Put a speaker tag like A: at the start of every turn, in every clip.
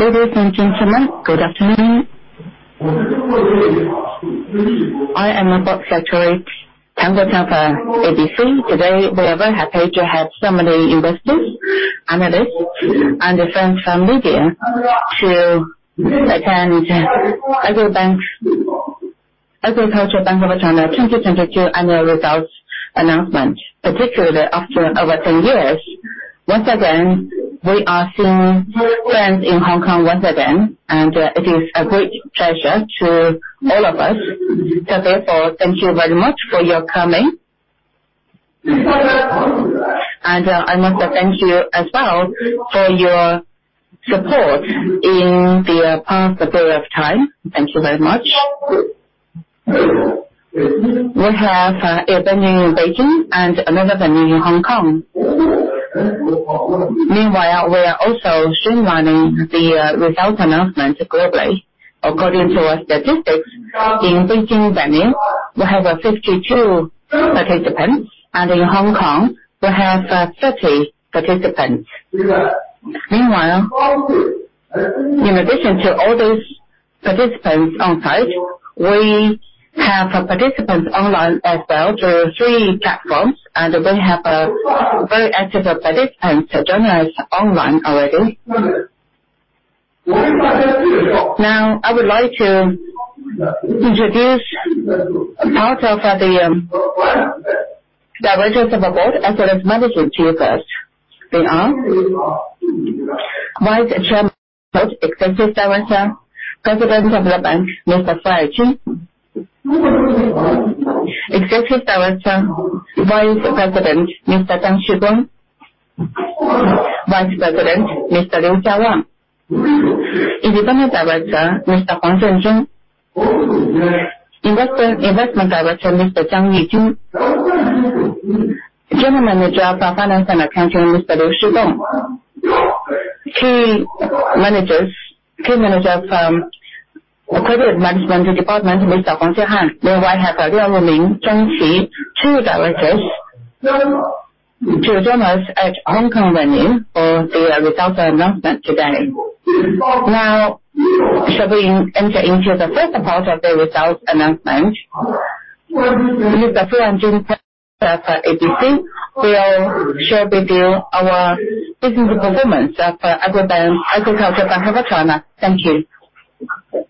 A: Ladies and gentlemen, good afternoon. I am the Board Secretary Han Guoqiang from ABC. Today, we are very happy to have so many investors, analysts, and friends from media to attend Agricultural Bank of China 2022 annual results announcement. Particularly after over 10 years, once again, we are seeing friends in Hong Kong once again, and it is a great pleasure to all of us. Therefore, thank you very much for your coming. I must thank you as well for your support in the past period of time. Thank you very much. We have a venue in Beijing and another venue in Hong Kong. Meanwhile, we are also streaming the result announcement globally. According to our statistics, in Beijing venue, we have 52 participants, and in Hong Kong, we have 30 participants. Meanwhile, in addition to all those participants on site, we have participants online as well through three platforms, and we have a very active participants joining us online already. I would like to introduce part of the directors of the board as well as management to you first. They are Vice Chair, Executive Director, President of the bank, Mr. Fu Wanjun. Executive Director, Vice President, Mr. Zhang Xuguang. Vice President, Mr. Liu Jiawang. Independent Director, Mr. Huang Zhenzhong. Investment Director, Mr. Zhang Lijun. General Manager of Finance and Accounting, Mr. Liu Shidong. Key Manager from Credit Management Department, Mr. Xu Han. We also have Liao Luming, Zhang Qi, two directors to join us at Hong Kong venue for the result announcement today. Shall we enter into the first part of the result announcement? Mr. Fu Wanjun from ABC will share with you our business performance of Agricultural Bank of China. Thank you. Dear investors, friends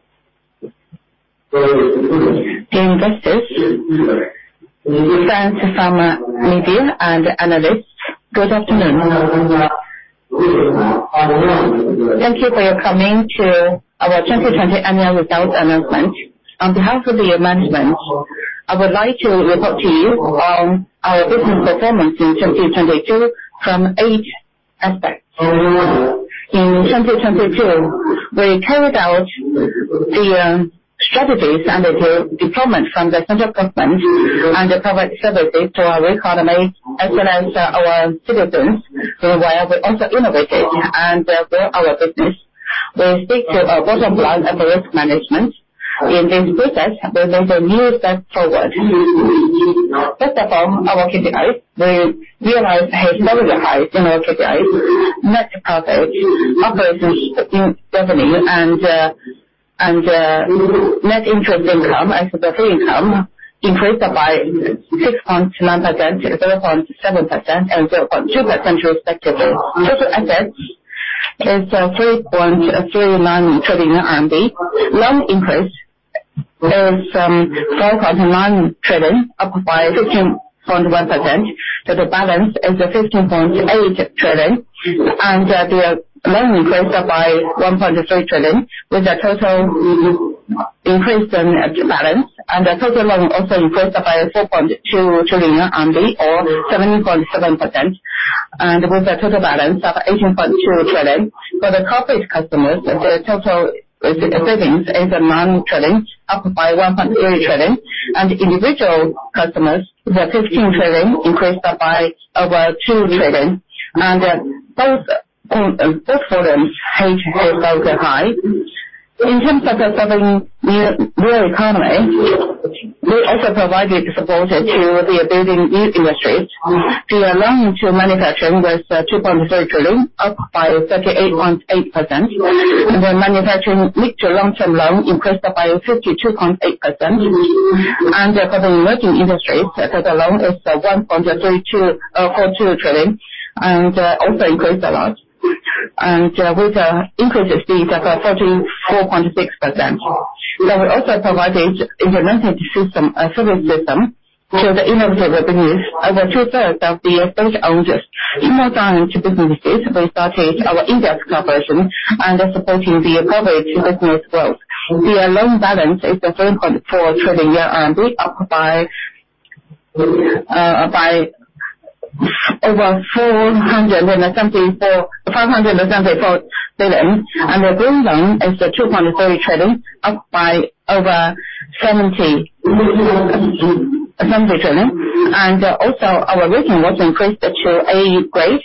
A: from media, and analysts, good afternoon. Thank you for your coming to our 2020 annual results announcement. On behalf of the management, I would like to report to you on our business performance in 2022 from eight aspects. In 2022, we carried out the strategies under the deployment from the central government and provide services to our economy as well as our citizens, who while we also innovated and build our business. We stick to our bottom line and risk management. In this process, we made a new step forward. First of all, our KPIs. We realized has stabilized our KPIs. Net profit, operations in revenue and net interest income as the fee income increased by 6.9%, 7.7% and 0.2% respectively. Total assets is RMB 3.39 trillion. Loan increase is from 4.9 trillion, up by 13.1%. The balance is a 15.8 trillion. The loan increased by 1.3 trillion, with a total increase in balance. The total loan also increased by 4.2 trillion or 17.7%, and with a total balance of 18.2 trillion. For the corporate customers, the total savings is 9 trillion, up by 1.3 trillion. Individual customers, the 15 trillion increased by over 2 trillion. Both for them has also high. In terms of the serving the real economy, we also provided support to the building new industries. The loan to manufacturing was 2.0 trillion, up by 38.8%. The manufacturing mix to long-term loan increased by 52.8%. For the emerging industries, the total loan is 1.3242 trillion, also increased a lot. With the increase is 44.6%. Now, we also provided implemented system, a service system to the innovative revenues. Over two-thirds of the space owners in more time to businesses, we started our index cooperation and supporting the corporate business growth. The loan balance is RMB 3.4 trillion, up by over 574 billion. The green loan is 2.3 trillion, up by over 70 trillion. Also our rating was increased to A grade,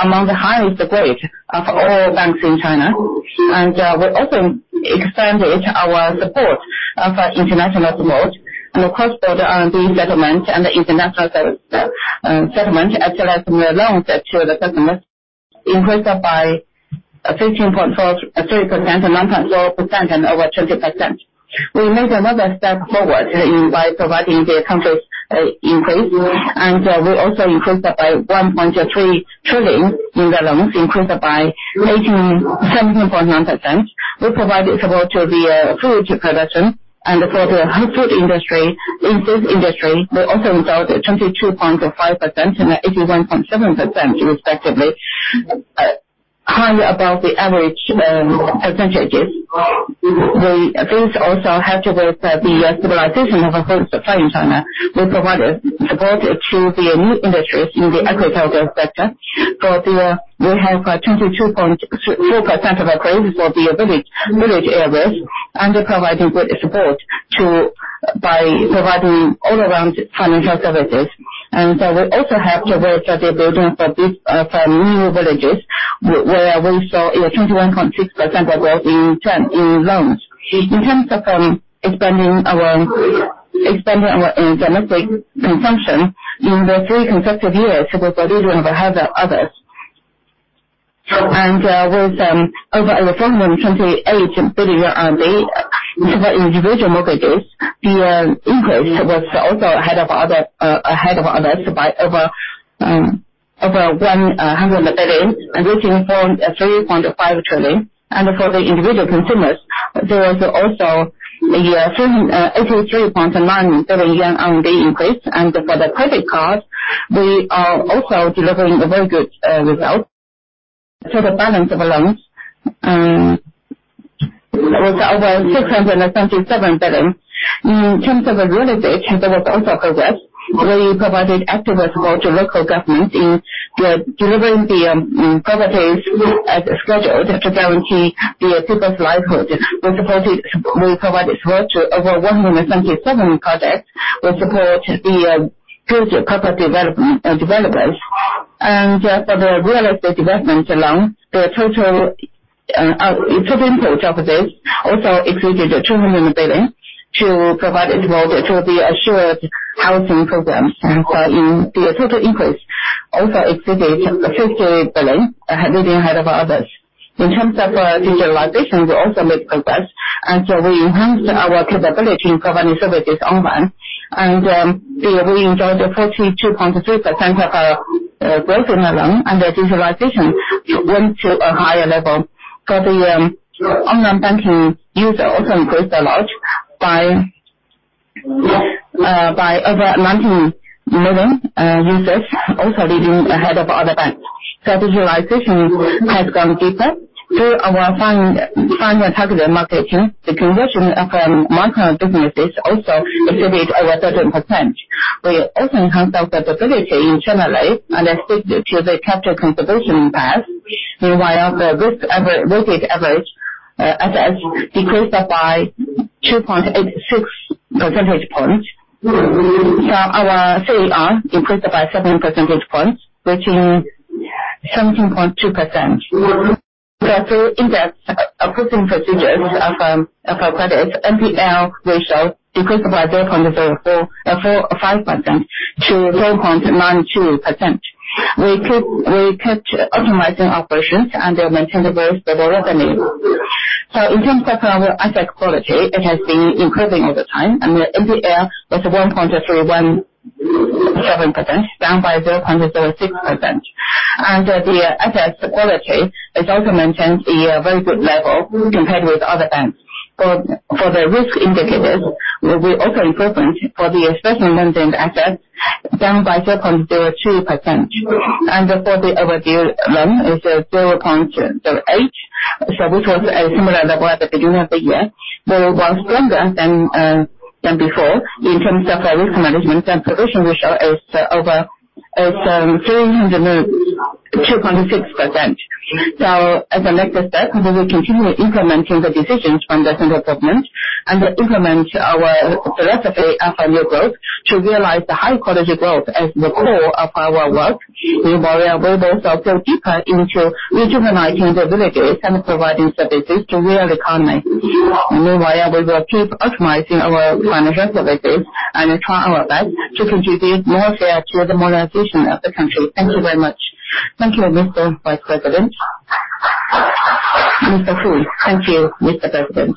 A: among the highest grade of all banks in China. We also expanded our support of international mode. Of course, for the R&D settlement and the international service, settlement, as well as the loans that to the customers increased by 3%, 9.4% and over 20%. We made another step forward in by providing the country's increase, and we also increased by 1.3 trillion in the loans, increased by 17.9%. We provided support to the food production and for the food industry. In this industry will also result in 22.5% and 81.7% respectively, high above the average percentages. The affairs also had to work the stabilization of our China. We provided support to the new industries in the agricultural sector. We have 22.4% of our loans for the village areas, providing good support to. By providing all around financial services. We also have to work at the building for this, for new villages where we saw a 21.6% growth in loans. In terms of expanding our domestic consumption in the three consecutive years, it was leading ahead of others. With over RMB 1,028 billion into the individual mortgages, the increase was also ahead of others by over 100 billion, and this informed a 3.5 trillion. For the individual consumers, there was also a certain 83.9 billion yuan increase. For the credit cards, we are also delivering a very good result. For the balance of the loans, was over 677 billion. In terms of the real estate, there was also progress. We provided active support to local government in delivering the properties as scheduled to guarantee the people's livelihood. We provided support to over 177 projects. We support the good corporate development developers. For the real estate development alone, the total total input of this also exceeded 200 billion to provide a road to the assured housing programs. In the total increase also exceeded 50 billion, leading ahead of others. In terms of digitalization, we also made progress, and so we enhanced our capability in providing services online. We enjoyed a 42.3% of our growth in the loan, and the digitalization went to a higher level. Online banking users also increased a lot by over 90 million users also leading ahead of other banks. Digitalization has gone deeper. Through our fine targeted marketing, the conversion of our micro businesses also exceeded over 13%. We also enhanced our profitability internally and stick to the capital conservation path. Meanwhile, the risk weighted average assets decreased by 2.86 percentage points. Our CER increased by 7 percentage points, which is 17.2%. The three in-depth approving procedures of our credit NPL ratio decreased by 0.045% to 4.92%. We kept optimizing operations and maintain the stable revenue. In terms of our asset quality, it has been improving over time, and the NPL was 1.317%, down by 0.06%. The asset quality is also maintained a very good level compared with other banks. For the risk indicators, we also improvement for the special lending assets down by 0.02%. For the overdue loan is 0.08%, this was a similar level at the beginning of the year. Though was stronger than before in terms of our risk management and provision, which is 302.6%. As a next step, we will continue implementing the decisions from the central government and implement our philosophy of a new growth to realize the high quality growth as the core of our work. Meanwhile, we will also deepen into rejuvenating the villages and providing services to real economy. Meanwhile, we will keep optimizing our financial services and try our best to contribute more fair to the modernization of the country. Thank you very much. Thank you, Mr. Vice President. Mr. Fu. Thank you, Mr. President.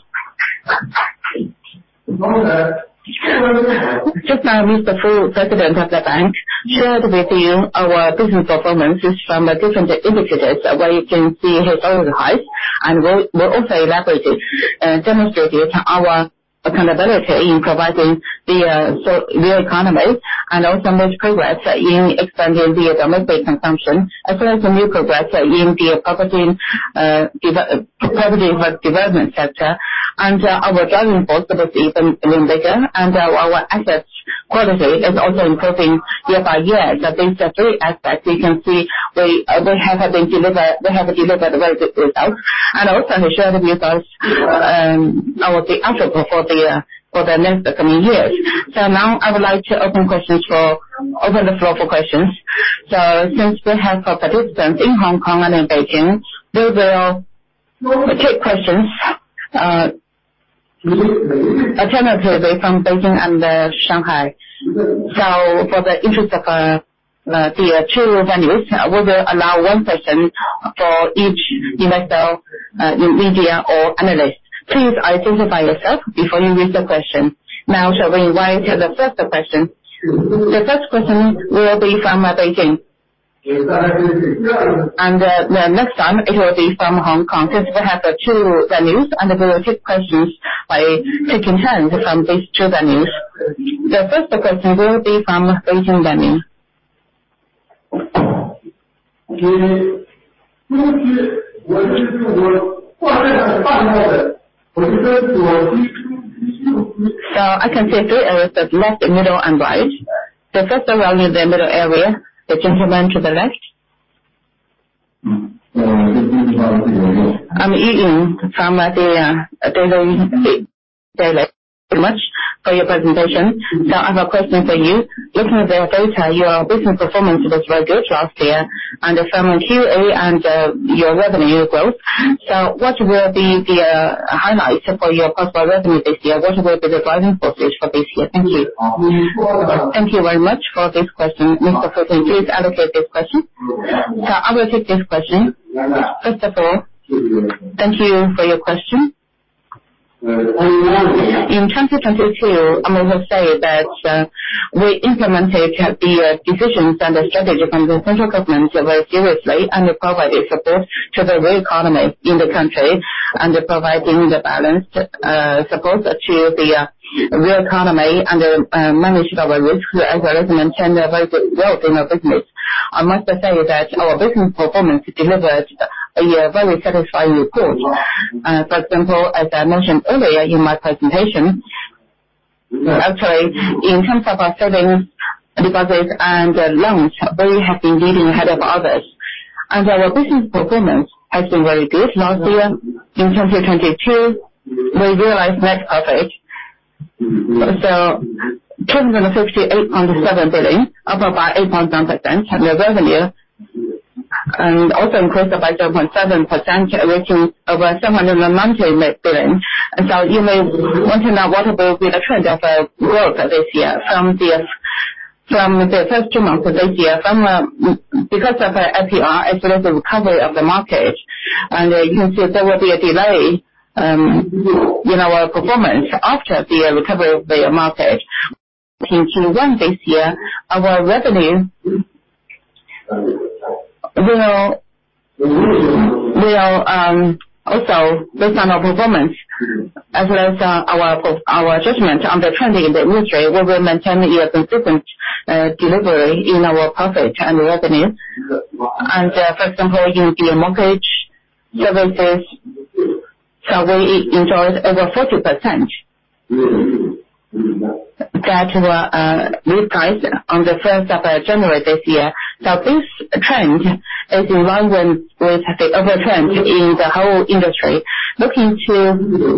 A: Just now, Mr. Fu, president of the bank, shared with you our business performances from the different indicators where you can see his overall highs, and we'll also elaborate it and demonstrate it our accountability in providing the so real economy and also much progress in expanding the domestic consumption, as well as the new progress in the property. Property development sector. Our driving force was even bigger, and our assets quality is also improving year-by-year. These are three aspects you can see they have delivered very good results. Also to share with you guys, our, the outlook for the next coming years. Now I would like to open the floor for questions. Since we have participants in Hong Kong and in Beijing, We'll take questions alternatively from Beijing and Shanghai. For the interest of the two venues, we will allow one person for each investor, media or analyst. Please identify yourself before you ask the question. Now shall we invite the first question? The first question will be from Beijing. The next one, it will be from Hong Kong, since we have the two venues, and we will take questions by taking turns from these two venues. The first question will be from Beijing venue. I can see three areas, the left, the middle and right. The first one is the middle area. The gentleman to the left. I'm Ian from the Beijing. Thank you very much for your presentation. Now I have a question for you. Looking at the data, your business performance was very good last year, and your revenue growth. What will be the highlight for your cost of revenue this year? What will be the driving forces for this year? Thank you. Thank you very much for this question. Mr. Fu, please allocate this question. I will take this question. First of all, thank you for your question. In terms of I will say that we implemented the decisions and the strategy from the central government very seriously, and provided support to the real economy in the country, and providing the balanced support to the real economy and manage our risk as well as maintain the very good growth in our business. I must say that our business performance delivered a very satisfying report. For example, as I mentioned earlier in my presentation. Actually, in terms of our savings, deposits, and loans, we have been leading ahead of others. Our business performance has been very good last year. In 2022, we realized net profit. 258.7 billion, up by 8.9% revenue, and also increased by 0.7%, reaching over CNY 790 net billion. You may want to know what about the trend of growth this year from the first two months of this year. From, because of APR as well as the recovery of the market. You can see there will be a delay in our performance after the recovery of the market. Looking to run this year, our revenue will, also based on our performance as well as our judgment on the trending in the industry, we will maintain a consistent delivery in our profit and revenue. For example, in the mortgage services, so we enjoyed over 40%. That were repriced on the first of January this year. This trend is in line with the other trends in the whole industry. Looking to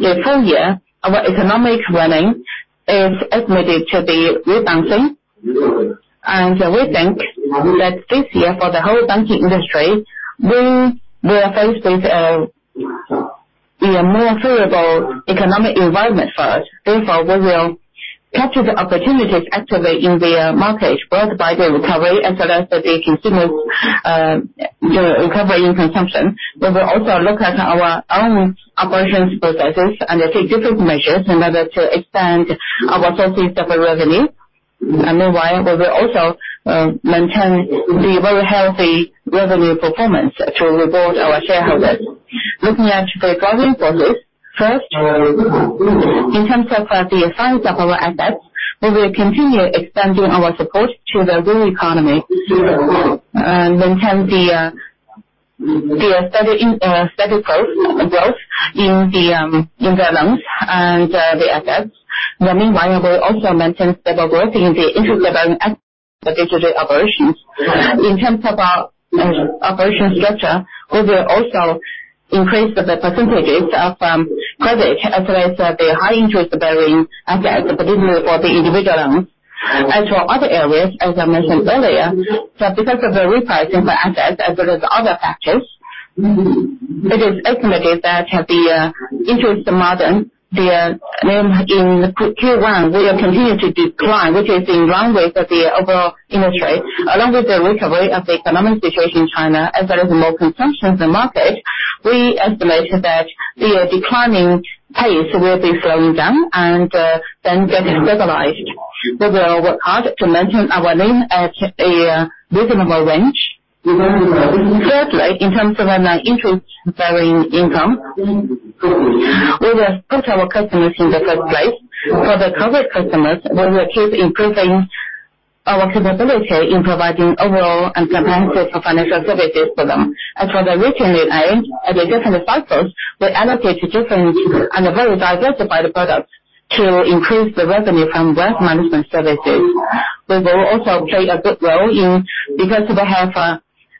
A: the full year, our economic running is estimated to be rebounding. We think that this year for the whole banking industry, we will face with a more favorable economic environment for us. Therefore, we will capture the opportunities actively in the market brought by the recovery as well as the consumer recovery in consumption. We will also look at our own operations processes and take different measures in order to expand our sources of revenue. Meanwhile, we will also maintain the very healthy revenue performance to reward our shareholders. Looking at the governing forces, first, in terms of the size of our assets, we will continue expanding our support to the real economy and maintain the steady growth in the loans and the assets. We'll also maintain stable growth in the interest of our digital operations. In terms of our operation structure, we will also increase the percentages of credit as well as the high interest bearing assets, particularly for the individual loans. As I mentioned earlier, because of the repricing for assets as well as other factors, it is estimated that the interest margin in Q1 will continue to decline, which is in line with the overall industry. Along with the recovery of the economic situation in China as well as more consumption in the market, we estimate that the declining pace will be slowing down and then get stabilized. We will work hard to maintain our NIM at a reasonable range. Thirdly, in terms of interest bearing income, we will put our customers in the first place. For the corporate customers, we will keep improving our capability in providing overall and comprehensive financial services to them. As for the retail end, at the different cycles, we allocate different and very diversified products to increase the revenue from wealth management services. We will also play a big role in because we have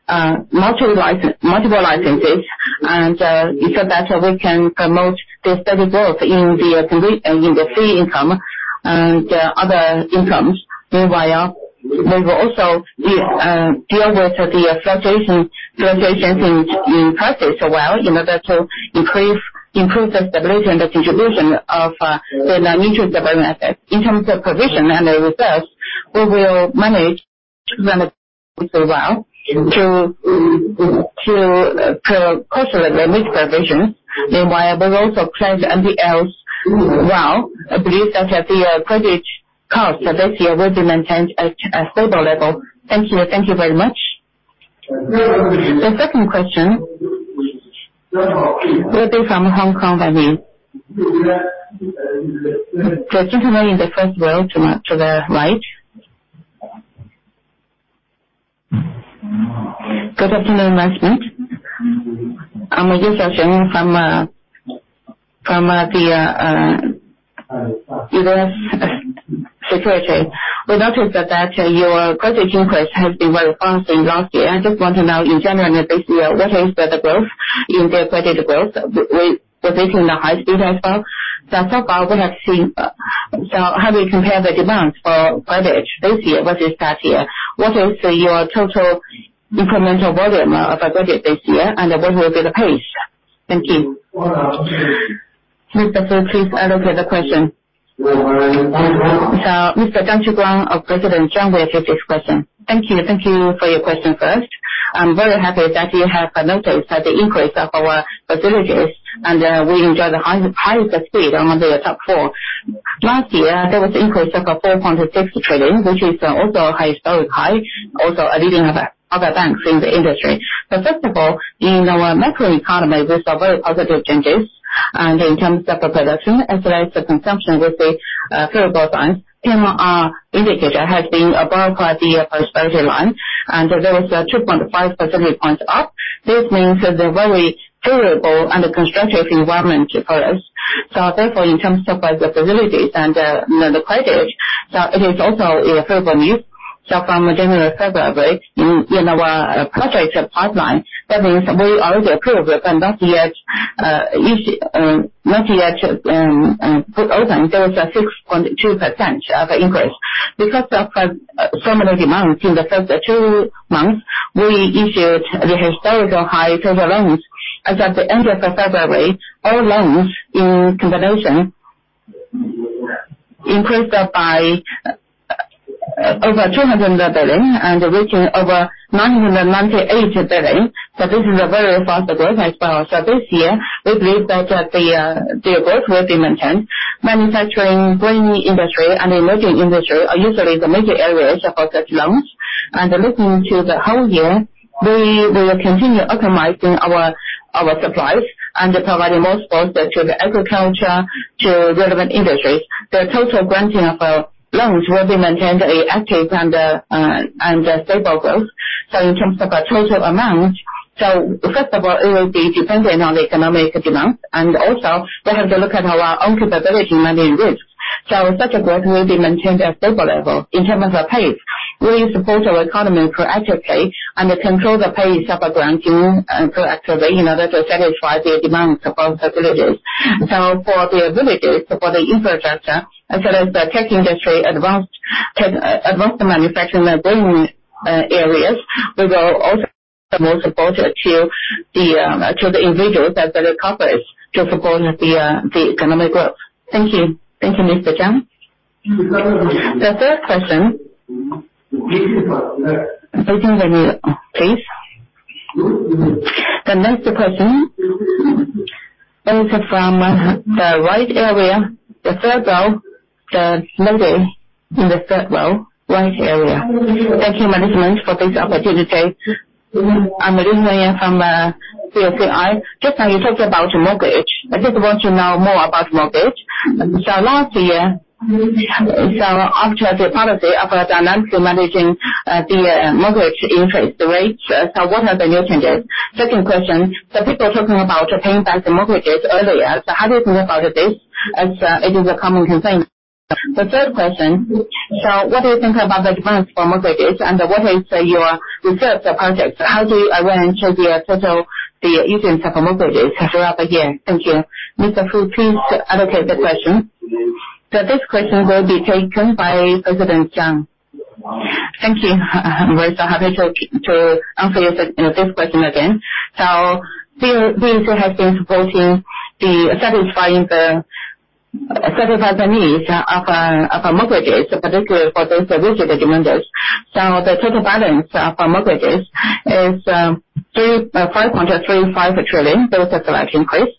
A: multiple licenses, and so that we can promote the steady growth in the fee income and other incomes. Meanwhile, we will also deal with the fluctuations in prices as well in order to increase, improve the stability and the distribution of the non-interest development. In terms of provision and the results, we will manage to run as well to cautiously limit provisions. Meanwhile, we will also cleanse NPLs well. I believe that the credit cards for this year will be maintained at a stable level. Thank you. Thank you very much. The second question will be from Hong Kong again. The gentleman in the first row to the right. Good afternoon, Ms. Ning. From UBS Securities. We noticed that your credit increase has been very fast in last year. I just want to know in general this year, what is the growth in the credit growth? Was it in the high speed as well? Far, what have seen. How do you compare the demands for credit this year versus last year? What is your total incremental volume of credit this year and what will be the pace? Thank you. Mr. Fu, please allocate the question. Mr. Zhang Xuguang or President Zhang will take this question. Thank you. Thank you for your question first. I'm very happy that you have noticed that the increase of our facilities and we enjoy the highest speed among the top four. Last year, there was increase of 4.6 trillion, which is also a historic high, also a leading other banks in the industry. First of all, in our macro economy, we saw very positive changes, and in terms of the production as well as the consumption with the favorable signs. PMI indicator has been above last year prosperity line, and there is a 2.5 percentage points up. This means that they're very favorable and a constructive environment for us. Therefore, in terms of, like, the facilities and the credit, so it is also a favorable news. From the general February, in our projects pipeline, that means we already approved and not yet put open. There is a 6.2% of increase. Because of formerly demands in the first two months, we issued the historical high total loans. As at the end of February, our loans in combination increased by over 200 billion and reaching over 998 billion. This is a very fast growth as well. This year, we believe that the growth will be maintained. Manufacturing, green industry and emerging industry are usually the major areas of such loans. Looking to the whole year, we will continue optimizing our supplies and providing more support to the agriculture, to relevant industries. The total granting of loans will be maintained at an active and a stable growth. In terms of a total amount, first of all, it will be dependent on the economic demands, and also we have to look at our own capability, money risk. Such a growth will be maintained at stable level. In terms of the pace, we support our economy proactively and control the pace of granting proactively in order to satisfy the demands of all facilities. For the facilities, for the infrastructure as well as the tech industry, advanced tech, advanced manufacturing and green areas, we will also promote support to the individuals as they recover to support the economic growth. Thank you. Thank you, Mr. Zhang. The third question. Raising the hand, please. The next question is from the right area, the third row, the lady in the third row, right area. Thank you, management, for this opportunity. I'm Lin Yi from CSCI. Just now you talked about mortgage. I just want to know more about mortgage. Last year, after the policy of dynamically managing the mortgage interest rates, what are the new changes? Second question, people talking about paying back the mortgages earlier. How do you think about this as it is a common concern? The third question, what do you think about the demands for mortgages and what is your reserve projects? How do you arrange the total, the issuance of mortgages throughout the year? Thank you. Mr. Fu, please allocate the question. This question will be taken by President Zhang. Thank you. We're so happy to answer your this question again. We have been supporting the satisfy the needs of mortgages, particularly for those with the demands. The total balance of our mortgages is 5.35 trillion. There is a slight increase.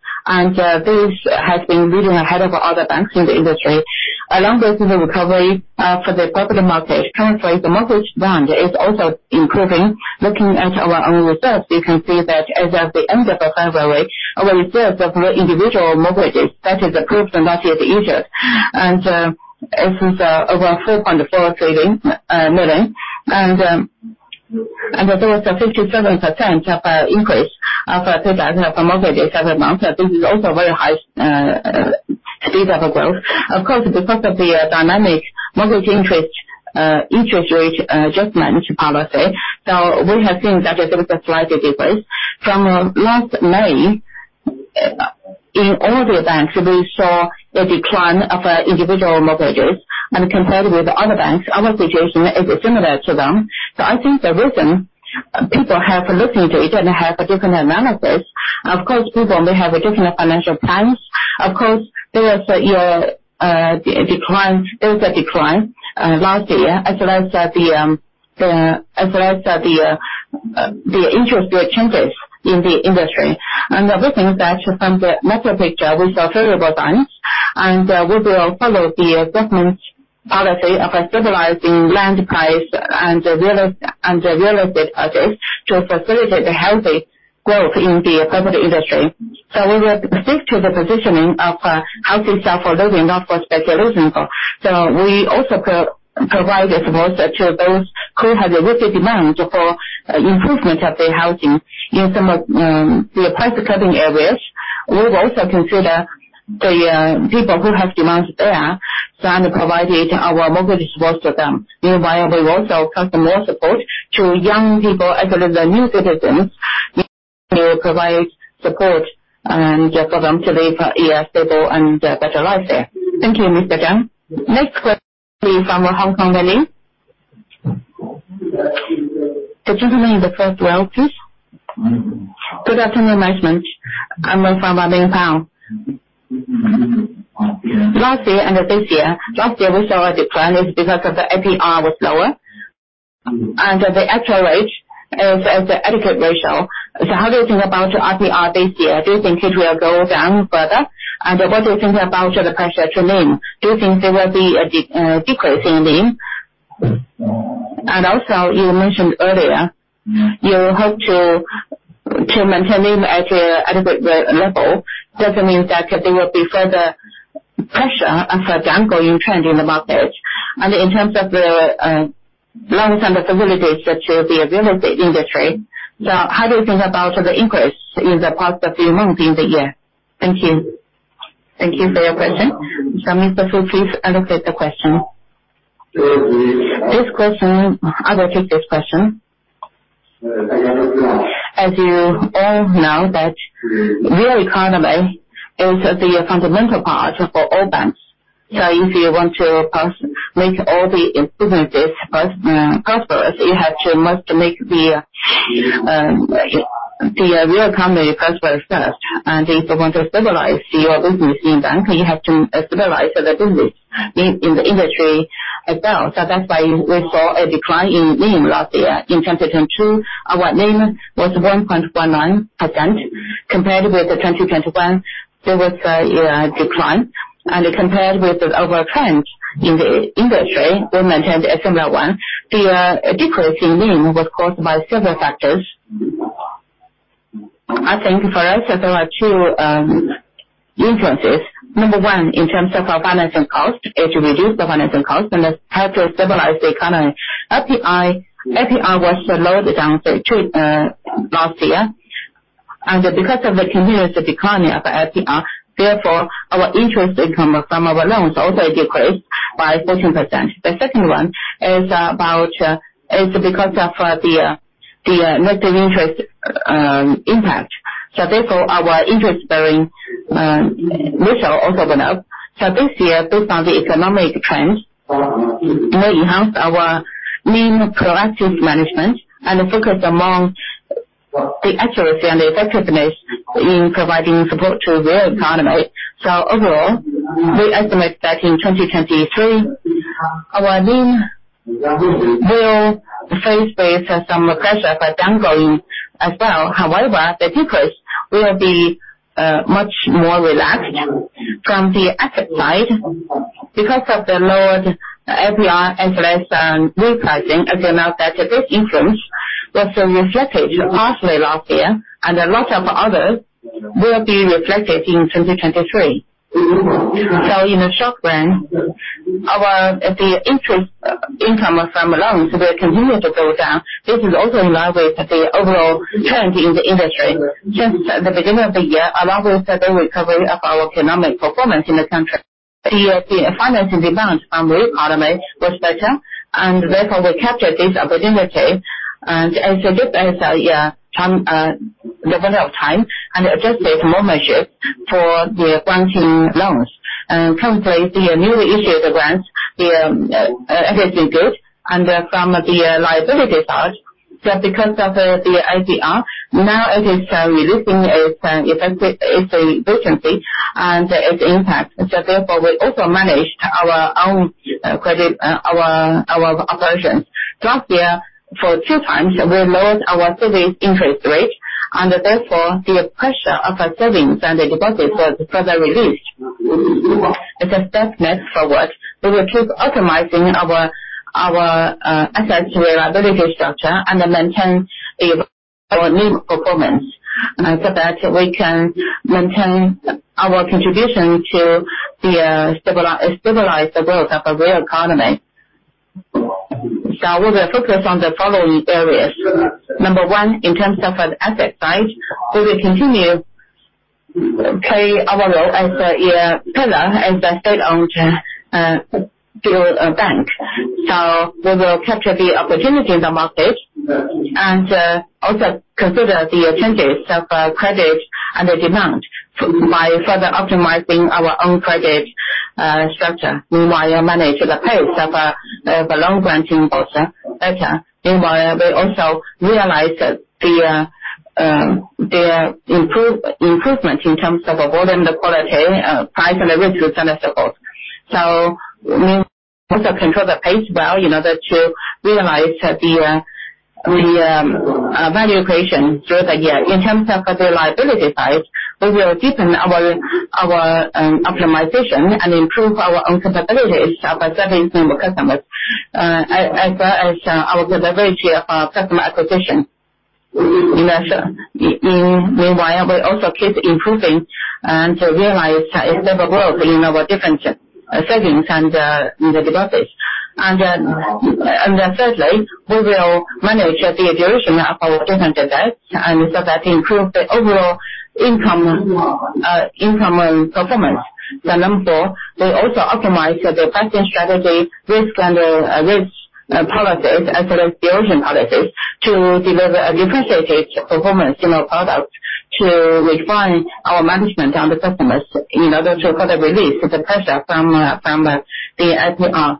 A: This has been leading ahead of other banks in the industry. Along with the recovery for the property market, translate the mortgage bond is also improving. Looking at our own reserves, you can see that as of the end of February, our reserves of individual mortgages that is approved but not yet issued, is over 4.4 trillion million. There was a 57% increase of payback of mortgages every month. This is also very high Speed of growth. Of course, because of the dynamic mortgage interest interest rate adjustment policy, we have seen that there is a slight decrease. From last May, in all the banks, we saw a decline of individual mortgages. Compared with other banks, our situation is similar to them. I think the reason people have looked into it and have a different analysis, of course, people may have a different financial plans. Of course, there is your decline. There was a decline last year as well as the interest rate changes in the industry. The reason is that from the macro picture, we saw several times, and we will follow the government's policy of stabilizing land price and the real estate prices to facilitate the healthy growth in the property industry. We will stick to the positioning of houses are for living, not for speculation. We also provide the support to those who have a rigid demand for improvement of their housing. In some of the price cutting areas, we would also consider the people who have demands there, and provide each our mortgage support to them. Meanwhile, we also offer more support to young people as well as the new citizens to provide support, and for them to live stable and better life there. Thank you, Mr. Zhang. Next question will be from Hong Kong Ali. Could you repeat the first word, please? Good afternoon, management. I'm from Ming Pao. Last year and this year, last year we saw a decline is because of the APR was lower. The actual rate is at the adequate ratio. How do you think about APR this year? Do you think it will go down further? What do you think about the pressure to NIM? Do you think there will be a decrease in NIM? Also you mentioned earlier, you hope to maintain NIM at a adequate level. Does it mean that there will be further pressure of a downgoing trend in the market? In terms of the long-term facilities that you have in the industry, how do you think about the increase in the past few months in the year? Thank you. Thank you for your question. Mr. Fu, please allocate the question. I will take this question. As you all know that real economy is the fundamental part for all banks. If you want to make all the businesses prosperous, you have to must make the real economy prosperous first. If you want to stabilize your business in bank, you have to stabilize the business in the industry as well. That's why we saw a decline in NIM last year. In 2022, our NIM was 1.19%. Compared with the 2021, there was a decline. Compared with the other trends in the industry, we maintained a similar one. The decrease in NIM was caused by several factors. I think for us there are two influences. Number one, in terms of our financing cost, is to reduce the financing cost and help to stabilize the economy. LPR was lowered down to two last year. Because of the convenience of economy of LPR, therefore our interest income from our loans also decreased by 14%. The second one is about. It's because of the negative interest impact. Therefore our interest bearing ratio also went up. This year, based on the economic trends, we enhanced our main proactive management and the focus among the accuracy and the effectiveness in providing support to real economy. Overall, we estimate that in 2023, our NIM will face with some pressure for downgoing as well. However, the decrease will be much more relaxed from the asset side because of the lowered APR as well as repricing amount that this influence was reflected partly last year and a lot of others will be reflected in 2023. In the short run, the interest income from loans will continue to go down. This is also in line with the overall trend in the industry. Since the beginning of the year, along with the recovery of our economic performance in the country, the financing demands from real economy was better and therefore we captured this opportunity. As a good level of time and adjusted more maturity for the granting loans. Currently, the newly issued grants, everything good. From the liability side, just because of the IDR, now it is releasing its efficiency and its impact. Therefore, we also managed our own credit, our operations. Last year, for 2x we lowered our savings interest rate and therefore the pressure of our savings and deposits was further reduced. As a step next forward, we will keep optimizing our assets reliability structure and maintain our NIM performance. After that, we can maintain our contribution to stabilize the growth of the real economy. We will focus on the following areas. One, in terms of the asset side, we will continue play our role as a pillar, as a state-owned deal bank. We will capture the opportunity in the market and also consider the changes of credit and the demand by further optimizing our own credit structure while managing the pace of the loan granting process better. Meanwhile, we also realize that the improvement in terms of improving the quality, price and the risk. We also control the pace well in order to realize that the value creation through the year. In terms of the liability side, we will deepen our optimization and improve our own capabilities of serving new customers, as well as our delivery of our customer acquisition. Meanwhile, we also keep improving and realize it's never growth in our different settings and in the developers. Thirdly, we will manage the duration of our different debts so that improve the overall income performance. Number four, we also optimize the pricing strategy risk under risk policies as well as the ocean policies to deliver a differentiated performance in our products to refine our management and the customers in order to further relieve the pressure from the NPL.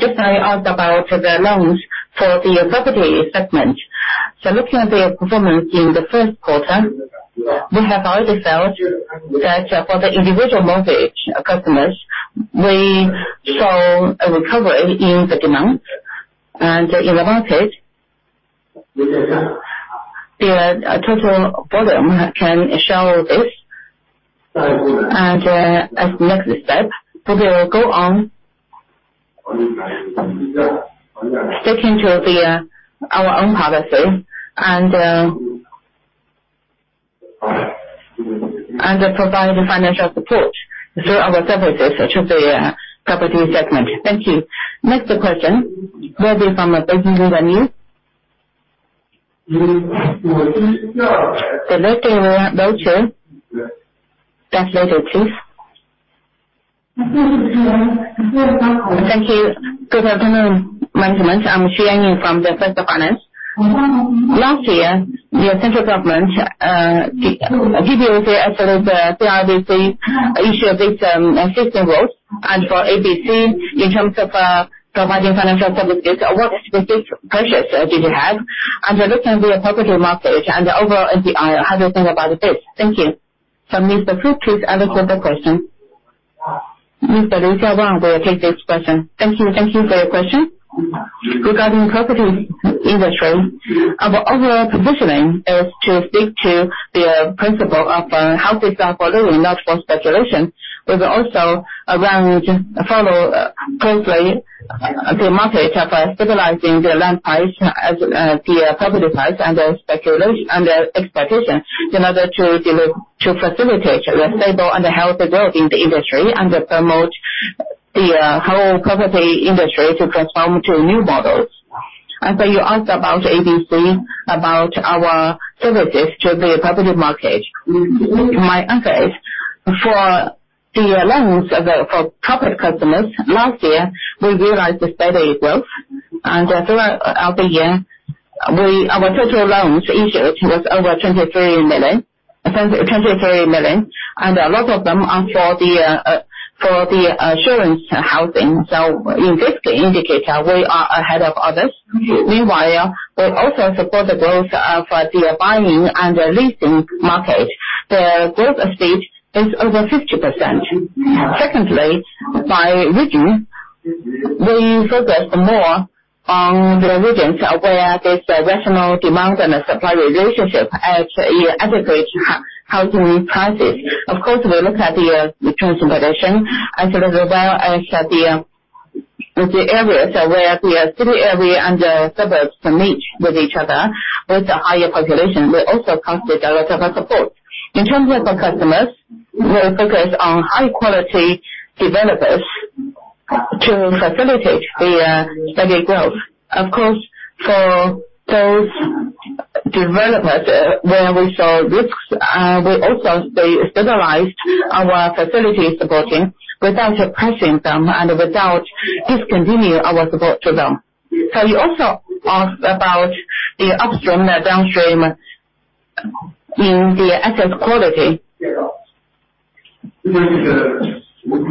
A: Just now you asked about the loans for the property segment. Looking at the performance in the first quarter, we have already felt that for the individual mortgage customers, we saw a recovery in the demand. In the market, the total volume can show this. As the next step, we will go on sticking to our own policy and provide the financial support through our services such as the property segment. Thank you. Next question will be from the News. The third thing we want to build to... Translater, please. Thank you. Good afternoon, management. I'm Shi Ye from the First Finance. Last year, your central government gave you the issue of this system rules and for ABC in terms of providing financial services. What specific pressures did you have under this new property market and the overall NPI? How do you think about this? Thank you. Mr. Fu, please answer the question. Mr. Liu Xiaowang will take this question. Thank you. Thank you for your question. Regarding property industry, our overall positioning is to stick to the principle of houses are for living, not for speculation. We will also around follow closely the market by stabilizing the land price as the property price and the expectation in order to facilitate a stable and a healthy growth in the industry and to promote the whole property industry to transform to new models. You asked about ABC, about our services to the property market. My answer is, for the loans for corporate customers, last year, we realized the steady growth, and throughout of the year, our total loans issued was over 23 million, and a lot of them are for the insurance housing. In this indicator, we are ahead of others. Meanwhile, we also support the growth of the buying and the leasing market. The growth stage is over 50%. Secondly, by region, we focus more on the regions of where there's a rational demand and a supply relationship as appropriate housing prices. Of course, we look at the transformation as well as at the areas where the city area and the suburbs meet with each other, with the higher population. We also consider a lot of our support. In terms of our customers, we are focused on high quality developers to facilitate the steady growth. Of course, for those developers where we saw risks, they stabilized our facilities supporting without suppressing them and without discontinue our support to them. You also asked about the upstream, the downstream in the asset quality.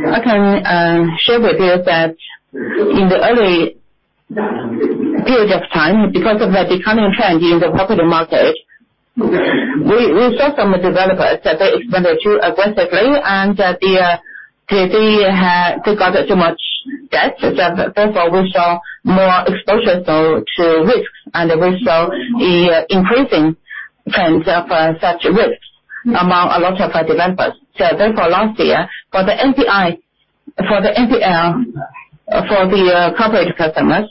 A: I can share with you that in the early period of time, because of the declining trend in the property market, we saw some developers that they expanded too aggressively and that they got too much debt. We saw more exposure so to risks, and we saw the increasing trends of such risks among a lot of our developers. Last year, for the NPI... For the NPR, for the corporate customers.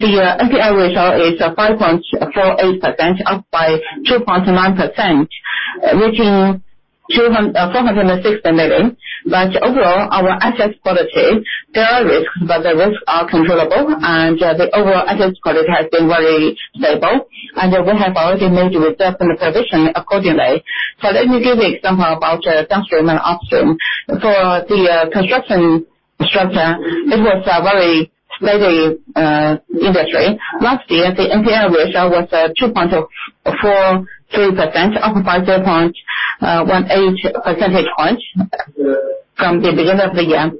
A: The NPL ratio is 5.48%, up by 2.9%, reaching 460 million. Overall, our assets quality, there are risks, but the risks are controllable, and the overall assets quality has been very stable, and we have already made the reserve and the provision accordingly. Let me give you example about downstream and upstream. For the construction structure, it was a very steady industry. Last year, the NPL ratio was 2.43%, up by 0.18 percentage points from the beginning of the year.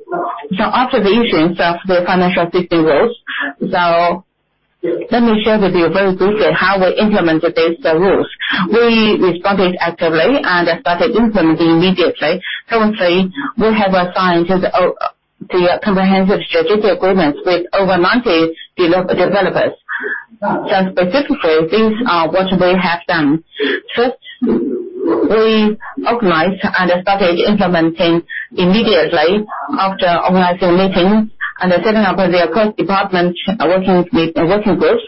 A: After the issuance of the financial fifteen rules, so let me share with you very briefly how we implemented these, the rules. We responded actively and started implementing immediately. Currently, we have assigned to the comprehensive strategic agreements with over 90 developers. Specifically, these are what we have done. First, we organized and started implementing immediately after organizing meetings and setting up the across department working with working groups.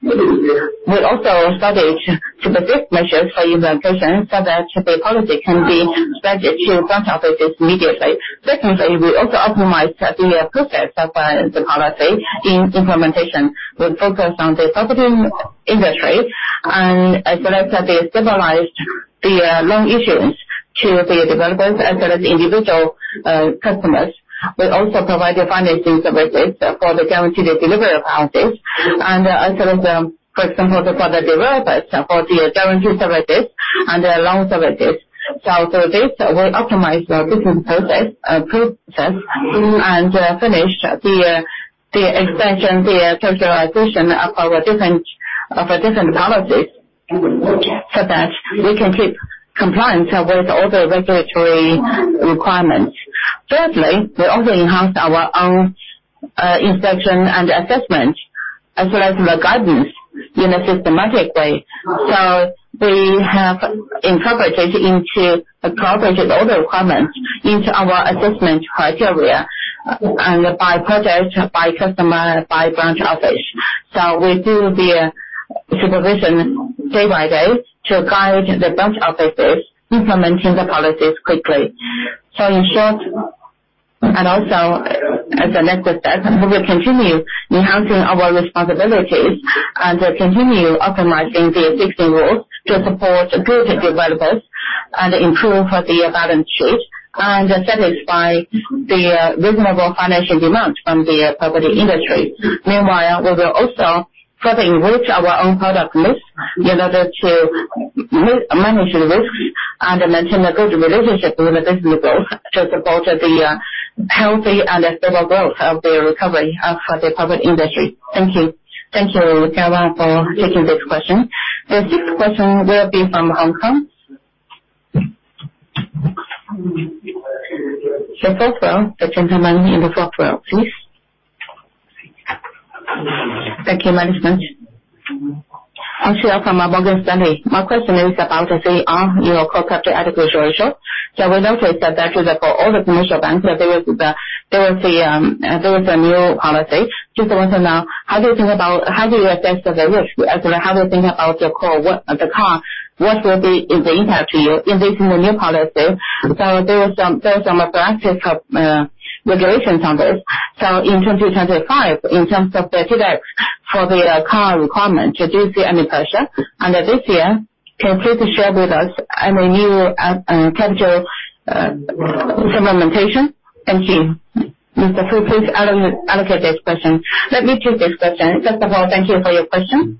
A: We also started specific measures for implementation so that the policy can be spread to branch offices immediately. Secondly, we also optimized the process of the policy in implementation. We focused on the property industry and accelerated, stabilized the loan issuance to the developers as well as individual customers. We also provided financing services for the guaranteed delivery houses and some of the, for example, for the developers for the guarantee services and the loan services. Through this, we optimized our business process, and finished the expansion, the centralization of our different policies so that we can keep compliance with all the regulatory requirements. Thirdly, we also enhanced our own inspection and assessment, as well as the guidance in a systematic way. We have incorporated all the requirements into our assessment criteria and by project, by customer, by branch office. We do the supervision day by day to guide the branch offices implementing the policies quickly. In short, and also as the next step, we will continue enhancing our responsibilities and continue optimizing the existing rules to support good developers and improve for the balance sheet and satisfy the reasonable financial demands from the property industry. Meanwhile, we will also further enrich our own product mix in order to manage the risks and maintain a good relationship with the business people to support the healthy and stable growth of the recovery of the property industry. Thank you. Thank you, Jiawang, for taking this question. The sixth question will be from Hong Kong. The fourth row. The gentleman in the fourth row, please. Thank you, management. I'm Sheng Yi from Morgan Stanley. My question is about the CAR, your core capital adequacy ratio. We noted that due to for all the commercial banks, there was a new policy. Just want to know, how do you think about how do you assess the risk? As in, how do you think about the core, what the CAR? What will be the impact to you in this new policy? There is some practice of regulations on this. In 2025, in terms of the TLAC for the CAR requirement, did you see any pressure? This year, can you please share with us any new capital implementation? Thank you. Mr. Fu, please allocate this question. Let me take this question. First of all, thank you for your question.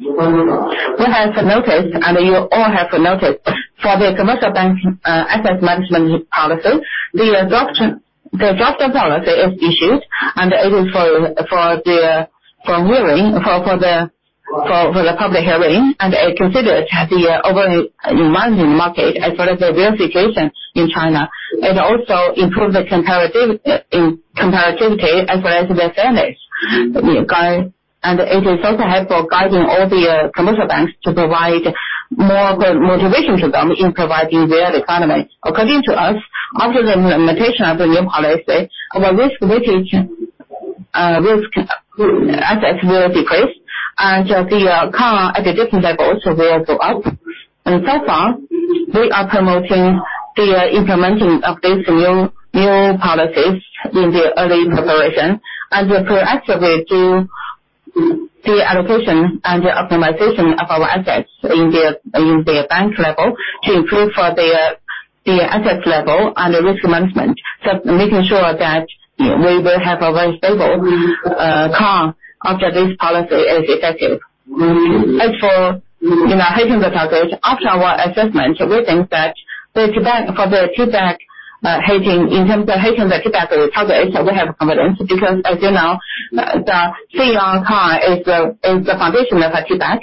A: We have noticed, and you all have noticed, for the commercial bank asset management policy, the adoption, the draft policy is issued, and it is for viewing, for the public hearing, and it considers the over-reminding market as well as the real situation in China. It also improves the in-comparativity as well as the fairness guide. It is also helpful guiding all the commercial banks to provide more good motivation to them in providing their economy. According to us, after the implementation of the new policy, our risk-weightage, risk assets will decrease and the CAR at the different levels will go up. So far, we are promoting the implementing of this new policies in the early preparation and will proactively do the allocation and the optimization of our assets in the bank level to improve for the asset level and the risk management. Making sure that we will have a very stable CAR after this policy is effective. As for, you know, hiking the targets, after our assessment, we think that the TBAC for the TLAC, hiking, in terms of hiking the TLAC targets, we have confidence because as you know, the CCAR is the foundation of a TLAC.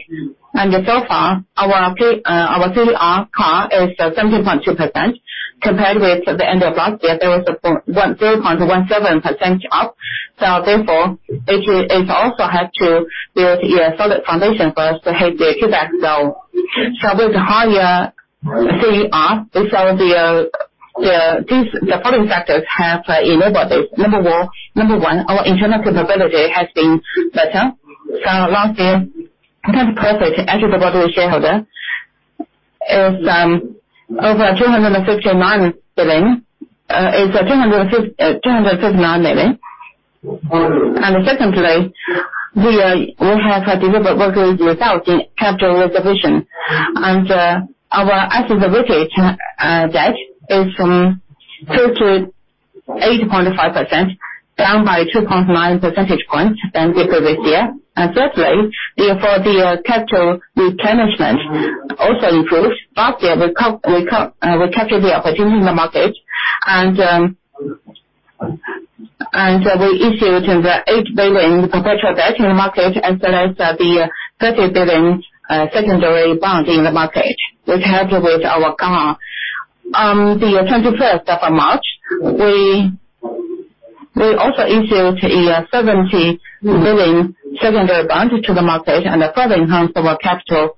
A: So far, our CCAR is 17.2% compared with the end of last year. There was a 3.17% up. Therefore, it also helps to build a solid foundation for us to hit the TLAC goal. With the higher CCAR, we saw the following factors have enabled this. Number one, our internal profitability has been better. Last year. That's perfect. Answer the board and shareholder. Is over CNY 269 billion. Secondly, we have delivered workers without the capital reservation. Our asset liability debt is from 2% to 8.5%, down by 2.9 percentage points than the previous year. Thirdly, therefore, the capital replenishment also improved last year. We captured the opportunity in the market and we issued the 8 billion perpetual debt in the market as well as the 30 billion secondary bond in the market, which helped with our CAR. On the 21st of March, we also issued a 70 billion secondary bond to the market and further enhanced our capital,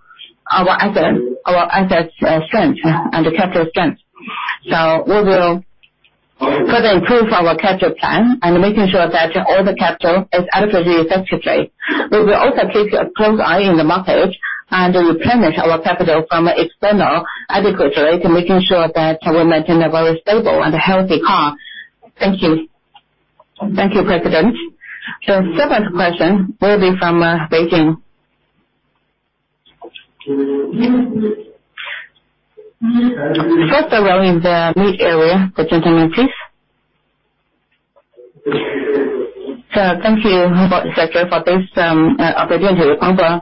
A: our asset strength and the capital strength. We will further improve our capital plan and making sure that all the capital is allocated effectively. We will also keep a close eye on the market and replenish our capital from external adequate rate, making sure that we maintain a very stable and healthy CAR. Thank you. Thank you, President. Second question will be from Beijing. First row in the mid area. The gentleman, please. Thank you for this opportunity to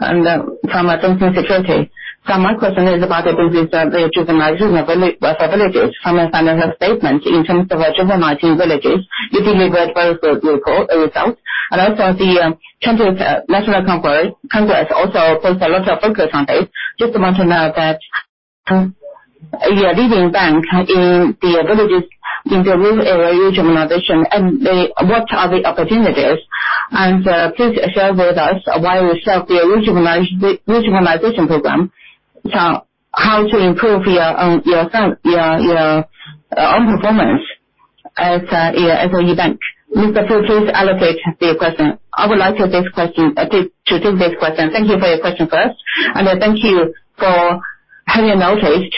A: respond. From China Securities, my question is about the business of the juvenile villages from a financial statement in terms of juvenile villages. If you remember very good local results, and also the country's national congress also puts a lot of focus on this. Just want to know that you are leading bank in the villages in the rural area regionalization and what are the opportunities? Please share with us why we serve the regionalization program. How to improve your own performance as a bank. Mr. Fu, please allocate the question. I would like to take question to take this question. Thank you for your question first. Thank you for having noticed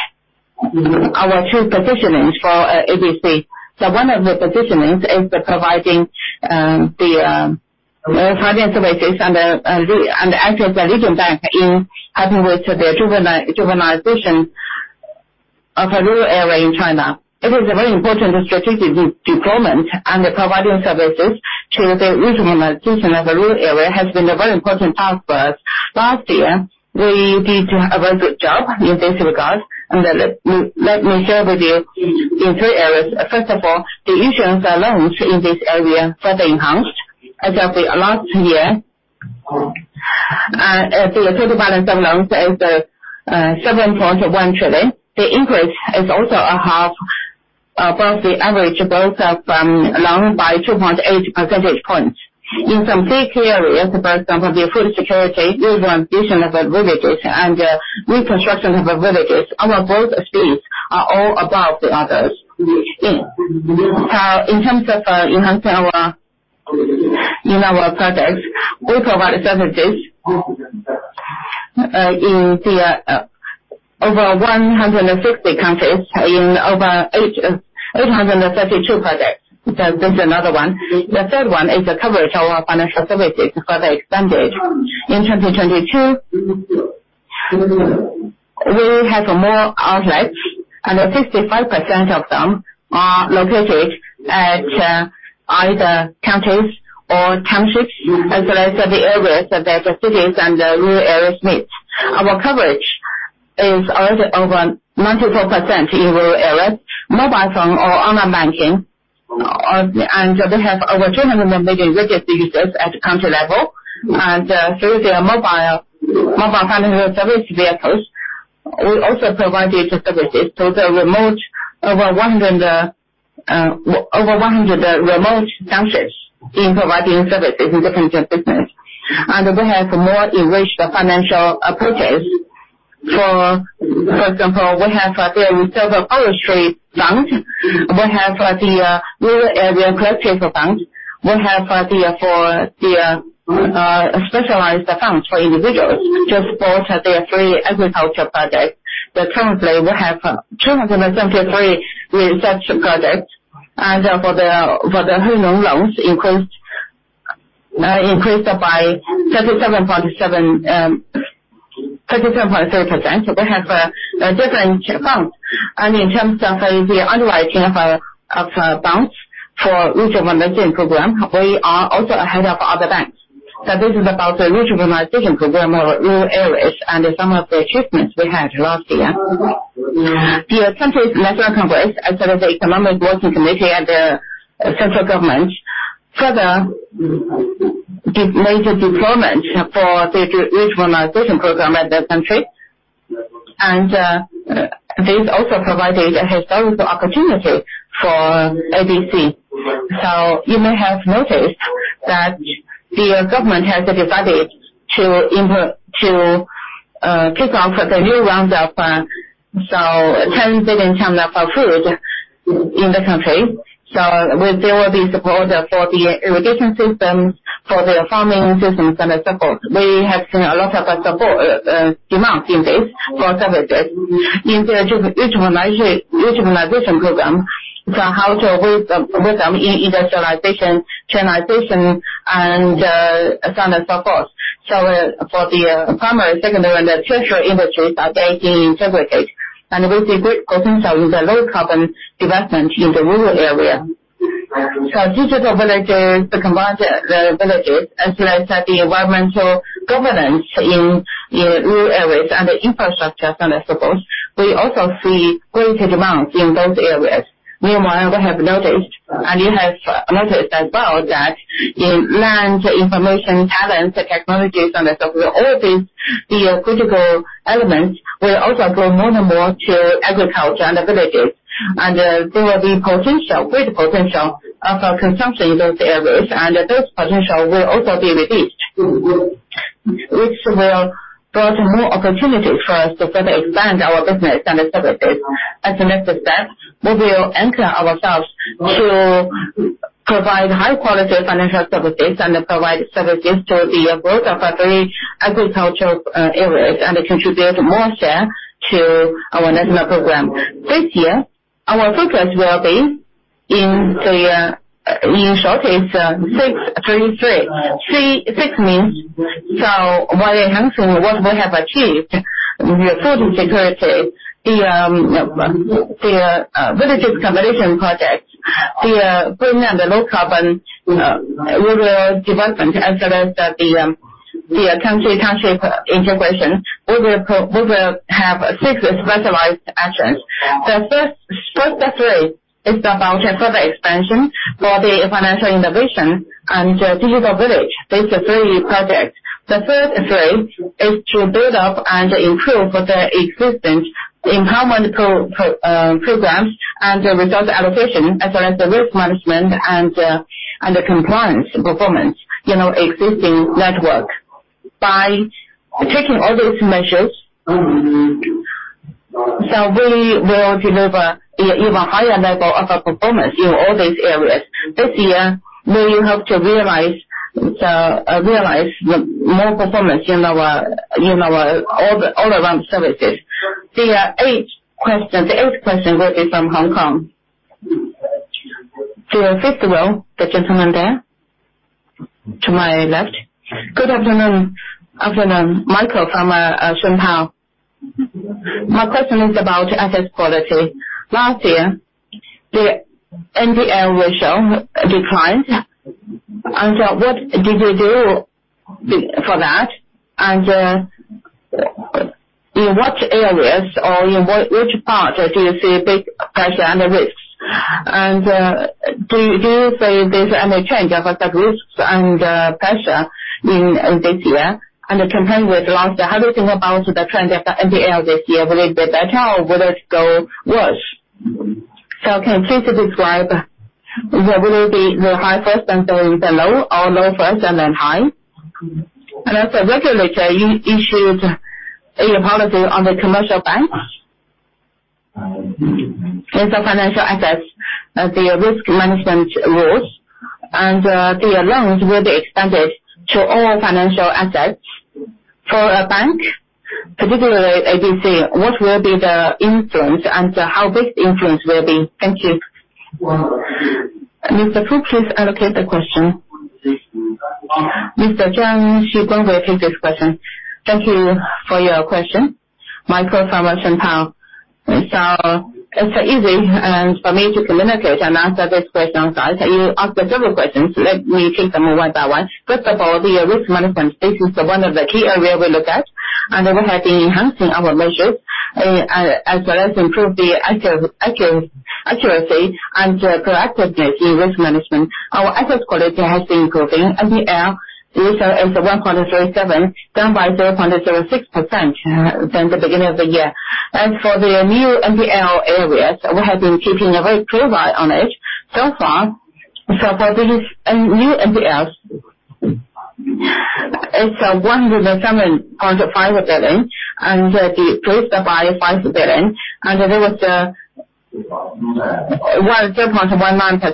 A: our two positionings for ABC. One of the positionings is providing the financial services and act as a leading bank in helping with the juvenilization of a rural area in China. It is a very important strategic deployment. Providing services to the regionalization of the rural area has been a very important task for us. Last year, we did a very good job in this regard. Let me share with you in 3 areas. First of all, the issuance of loans in this area further enhanced. As of last year, the total balance of loans is 7.1 trillion. The increase is also a half above the average growth of loan by 2.8 percentage points. In some key areas, for example, the food security, urbanization of the villages and reconstruction of the villages, our growth speeds are all above the others. In terms of enhancing our in our projects, we provide services in the over 150 counties in over 832 projects. That's another one. The third one is the coverage of our financial services further expanded. In 2022, we have more outlets and 65% of them are located at either counties or townships, as well as the areas that the cities and the rural areas meet. Our coverage is already over 94% in rural areas. Mobile phone or online banking. We have over 200 million registered users at country level. Through their mobile financial service vehicles, we also provided services to the remote over 100 remote townships in providing services in different businesses. We have more enriched financial approaches. For example, we have the reserve forestry bank. We have the rural cooperative bank. We have the specialized accounts for individuals to support their three agriculture projects. Currently we have 273 research projects. For the Hunan loans increased by 37.3%. We have different accounts. In terms of the underwriting of bonds for regionalization program, we are also ahead of other banks. This is about the regionalization program of rural areas and some of the achievements we had last year. The country's national congress as well as the economic working committee and the central government further made a deployment for the regionalization program at the country. This also provided a historical opportunity for ABC. You may have noticed that the government has decided to kick off the new round of 10 billion tons of food in the country. There will be support for the irrigation system, for the farming system and as support. We have seen a lot of support demand in this for services. In the regionalization program, how to build some industrialization, urbanization and standard support. For the primary, secondary and tertiary industries are gaining integrity. With the great potential with the low carbon development in the rural area. Digital villages, the combined villages, as well as the environmental governance in rural areas and the infrastructure and as suppose, we also see great demand in those areas. Meanwhile, we have noticed, you have noticed as well, that in land information talent technologies and as so forth, all these, the critical elements will also grow more and more to agriculture and the villages. There will be great potential of consumption in those areas. Those potential will also be released, which will brought more opportunities for us to further expand our business and the services. As the next step, we will anchor ourselves to provide high quality financial services and provide services to the growth of our three agricultural areas, and contribute more share to our national program. This year, our focus will be in the, in short is, 633. Three six means while enhancing what we have achieved, the food security, the village accommodation project, the green and the low carbon rural development as well as the county, township integration, we will have six specialized actions. The first of three is about a further expansion for the financial innovation and digital village. These are three projects. The third three is to build up and improve the existing empowerment programs and result allocation, as well as the risk management and the compliance performance, you know, existing network. By taking all these measures, we will deliver even higher level of performance in all these areas. This year, we will help to realize more performance in our all the, all around services. The eighth question. The eighth question will be from Hong Kong. The fifth row, the gentleman there to my left. Good afternoon. Afternoon. Michael from Sing Tao. My question is about asset quality. Last year, the NPL ratio declined. What did you do for that? In what areas or in which part do you see big pressure and risks? Do you say there's any change of the risks and pressure in this year and compared with last year? How do you think about the trend of the NPL this year? Will it be better or will it go worse? Can you please describe will it be the high first and then the low or low first and then high? Regulator issued a policy on the commercial banks. In the financial assets, the risk management rules and the loans will be extended to all financial assets. For a bank, particularly ABC, what will be the influence and how big influence will it be? Thank you. Mr. Fu, please allocate the question. Mr. Zhang Xuguang will take this question. Thank you for your question. Michael from ShunPao. It's easy for me to communicate and answer this question. Sorry. You asked several questions. Let me take them one by one. First of all, the risk management, this is one of the key area we look at, and we have been enhancing our measures, as well as improve the accuracy and proactiveness in risk management. Our asset quality has been improving. NPL ratio is 1.37, down by 0.06% than the beginning of the year. As for the new NPL areas, we have been keeping a very close eye on it. New NPLs is CNY 107.5 billion, and it increased by 5 billion, and there was a 10.19%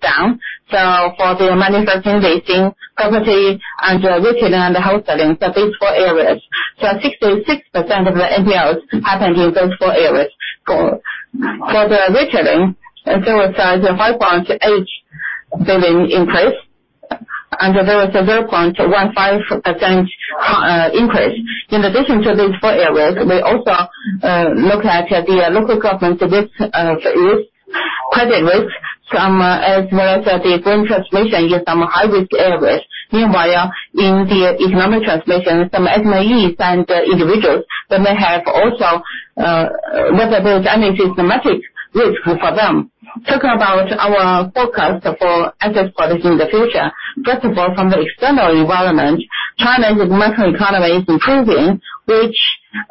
A: down. For the manufacturing, leasing, property and retailing and the household, these four areas. 66% of the NPLs happened in those four areas. For the retailing, and so it was a 5.8 billion increase, and there was a 0.15% increase. In addition to these four areas, we also look at the local government debt, risk, credit risk, some as well as the foreign translation in some high risk areas. Meanwhile, in the economic translation, some SMEs and individuals, they may have also weather able damages thematic risk for them. Talking about our forecast for asset quality in the future. First of all, from the external environment, China's macro economy is improving, which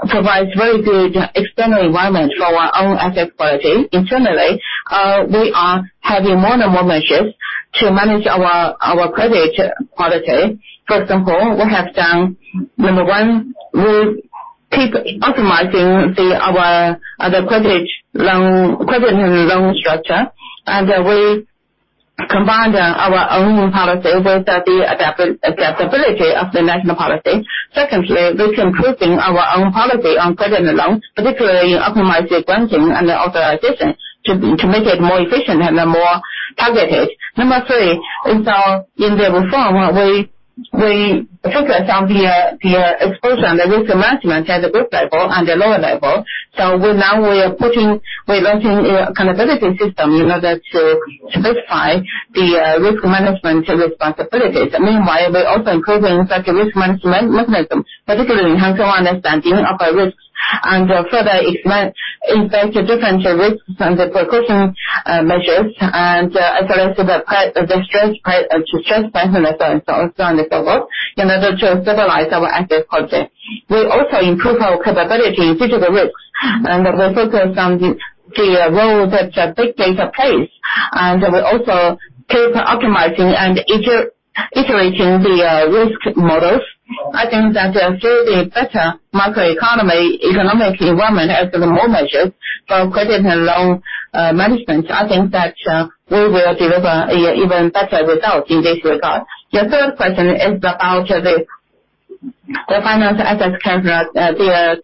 A: provides very good external environment for our own asset quality. Internally, we are having more and more measures-To manage our credit quality, first of all, we have done, number one, we keep optimizing the, our, the credit loan, credit and loan structure. We combined our own policy with the adaptability of the national policy. Secondly, we're improving our own policy on credit and loans, particularly optimize the granting and authorization to make it more efficient and more targeted. Number three is, in the reform, we focus on the exposure and the risk management at the group level and the lower level. We're launching a capability system in order to specify the risk management responsibilities. Meanwhile, we're also improving sector risk management mechanism, particularly enhancing our understanding of our risks and further expand to different risks and the precaution measures and assess the stress tests and so on and so forth, in order to stabilize our asset quality. We also improve our capability due to the risks, and we focus on the role that big data plays, and we also keep optimizing and iterating the risk models. I think that through the better microeconomy, economic environment as of the moment just from credit and loan management, I think that we will deliver a even better result in this regard. Your third question is about the financial asset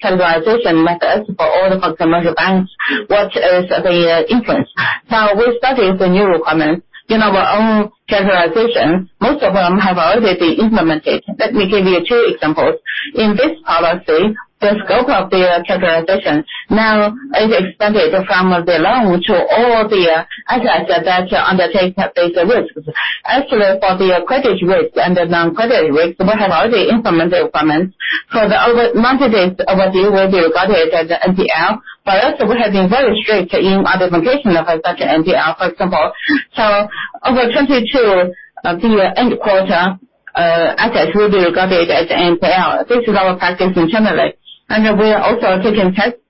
A: capitalization methods for all the commercial banks. What is the influence? Now, we studied the new requirements. In our own capitalization, most of them have already been implemented. Let me give you two examples. In this policy, the scope of the capitalization now is expanded from the loan to all the assets that undertake beta risks. Actually, for the credit risk and the non-credit risk, we have already implemented requirements. For the over 90 days overdue will be regarded as NPL, but also we have been very strict in identification of such NPL, for example. Of the 22, the end quarter, assets will be regarded as NPL. This is our practice in general. We are also taking tests,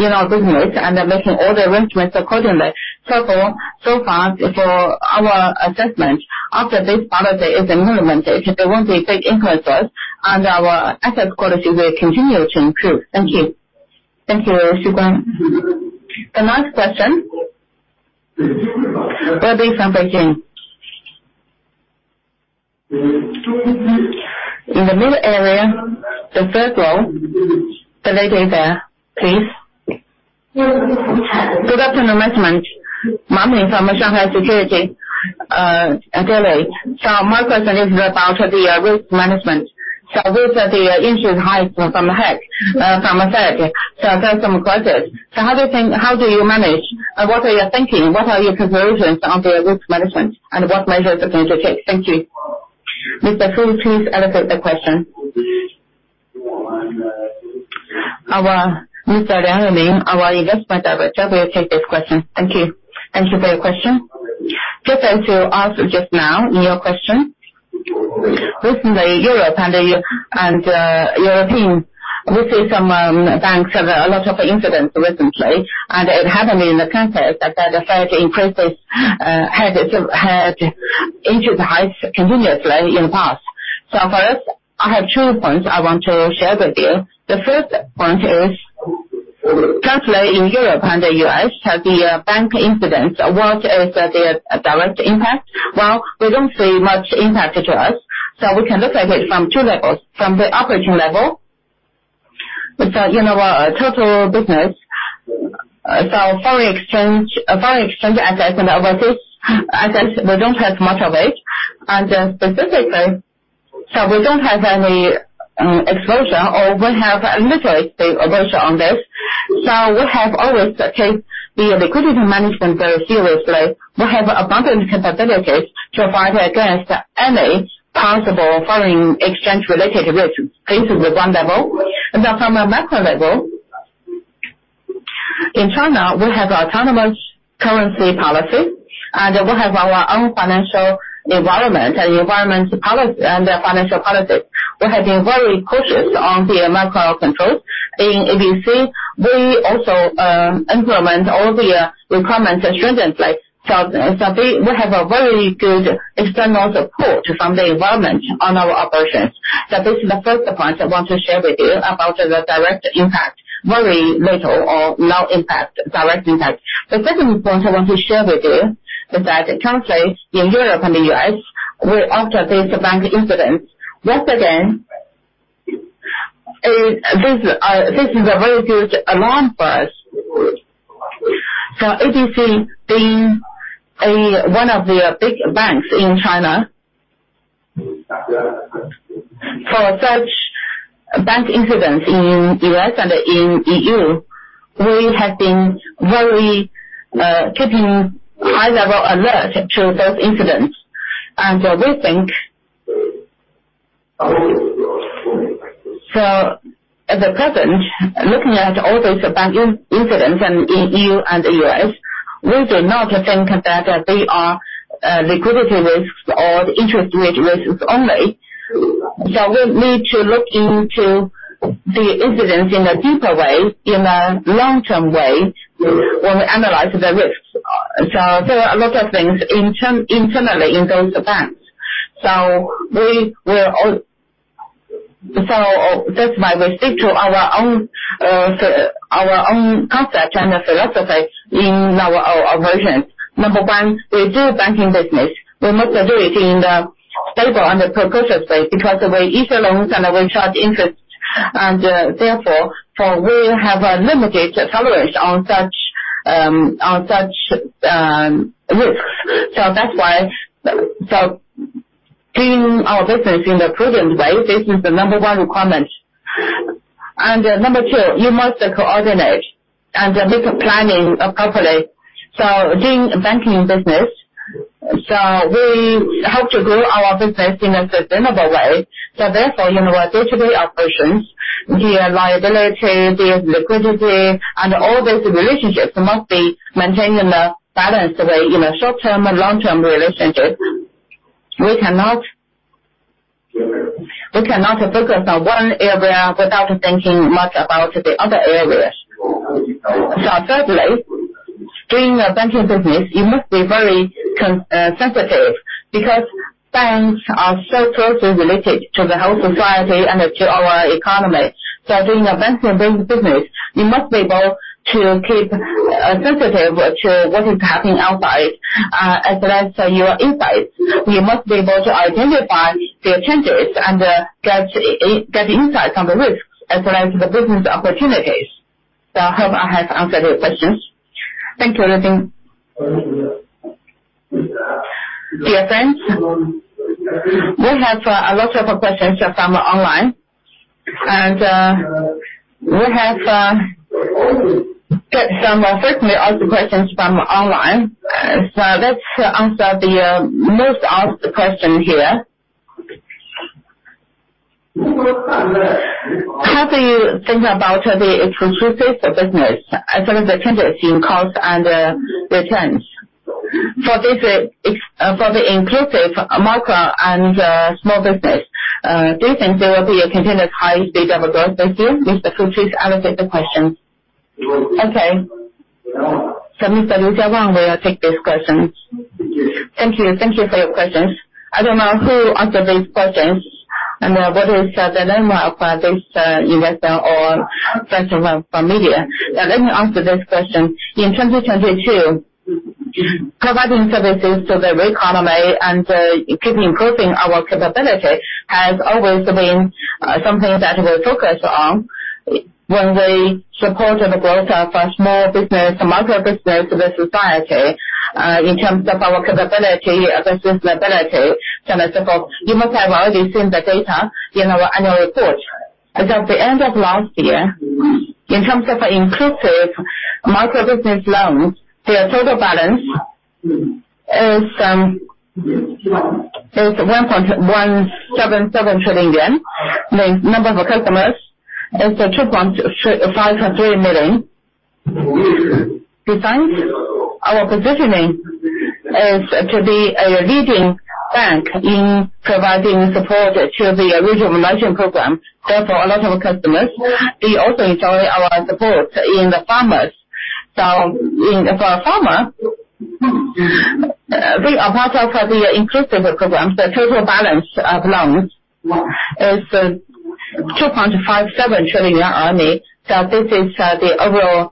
A: you know, business and then making all the arrangements accordingly. So far for our assessments, after this policy is implemented, there won't be big influences on our asset quality will continue to improve. Thank you. Thank you, Xu Guang. The next question. Where is it from again? In the middle area, the third row. The lady there, please. Good afternoon management. Ma Ping from the Shanghai Security Daily. My question is about the risk management. With the interest hike from the Fed, there are some questions. How do you think... How do you manage? What are you thinking? What are your precautions on the risk management, and what measures are going to take? Thank you. Mr. Fu, please allocate the question. Our Mr. Yang Ming, our Investment Director, will take this question. Thank you. Thank you for your question. Just as you asked just now, your question, recently, Europe and European, we see some banks have a lot of incidents recently, and it happened in the context that the Fed increased its had increased the hikes continuously in the past. First, I have two points I want to share with you. The first point is, currently in Europe and the U.S. had the bank incidents. What is the direct impact? Well, we don't see much impact to us. We can look at it from two levels. From the operating level, with the, you know, total business, foreign exchange, foreign exchange assets and overseas assets, we don't have much of it. Specifically, we don't have any exposure or we have a little exposure on this. We have always take the liquidity management very seriously. We have abundant capabilities to fight against any possible foreign exchange related risk. This is the 1 level. From a macro level, in China, we have autonomous currency policy, and we have our own financial environment and financial policies. We have been very cautious on the macro controls. In ABC, we also implement all the requirements and stringent like so we have a very good external support from the environment on our operations. This is the first point I want to share with you about the direct impact, very little or no impact, direct impact. The second point I want to share with you is that currently in Europe and the U.S., where after these bank incidents, once again, this is a very good alarm for us. For ABC being a, one of the big banks in China, for such bank incidents in U.S. and in EU, we have been very, keeping high level alert to those incidents. We think. At the present, looking at all these bank incidents in EU and the U.S., we do not think that they are liquidity risks or interest rate risks only. We need to look into the incidents in a deeper way, in a long-term way when we analyze the risks. There are a lot of things internally in those banks. That's why we stick to our own, our own concept and the philosophy in our own versions. Number one, we do banking business. We must do it in a stable and a precautionary because we issue loans and we charge interest, and therefore, we have a limited coverage on such, on such, risks. Doing our business in a prudent way, this is the number one requirement. Number two, you must coordinate and make planning appropriately. Doing banking business, we hope to grow our business in a sustainable way. Therefore, you know, our day-to-day operations, the liability, the liquidity, and all these relationships must be maintained in a balanced way in a short-term or long-term relationship. We cannot focus on one area without thinking much about the other areas. Thirdly, doing a banking business, you must be very sensitive because banks are so closely related to the whole society and to our economy. Doing a banking business, you must be able to keep sensitive to what is happening outside as well as your insights. You must be able to identify the changes and get insights on the risks as well as the business opportunities. I hope I have answered your questions. Thank you, Liu Jing. Dear friends, we have a lot of questions from online, and we have get some frequently asked questions from online. Let's answer the most asked question here. How do you think about the inclusive business as well as the changes in cost and returns? For the inclusive micro and small business, do you think there will be a continuous high state of growth this year? Mr. Fu, I will take the question. Okay. Mr. Liu Xiaowang will take this question. Thank you. Thank you for your questions. I don't know who asked these questions and what is the name of this investor or friend from media. Let me answer this question. In 2022, providing services to the real economy and keeping improving our capability has always been something that we're focused on when we support the growth of small business, micro business to the society in terms of our capability versus liability. I suppose you must have already seen the data in our annual report. At the end of last year, in terms of inclusive micro business loans, their total balance is 1.177 trillion. The number of customers is 2.53 million. Besides, our positioning is to be a leading bank in providing support to the rural renovation program for a lot of customers. We also enjoy our support in the farmers. For a farmer, we are part of the inclusive programs. The total balance of loans is CNY 2.57 trillion only. This is the overall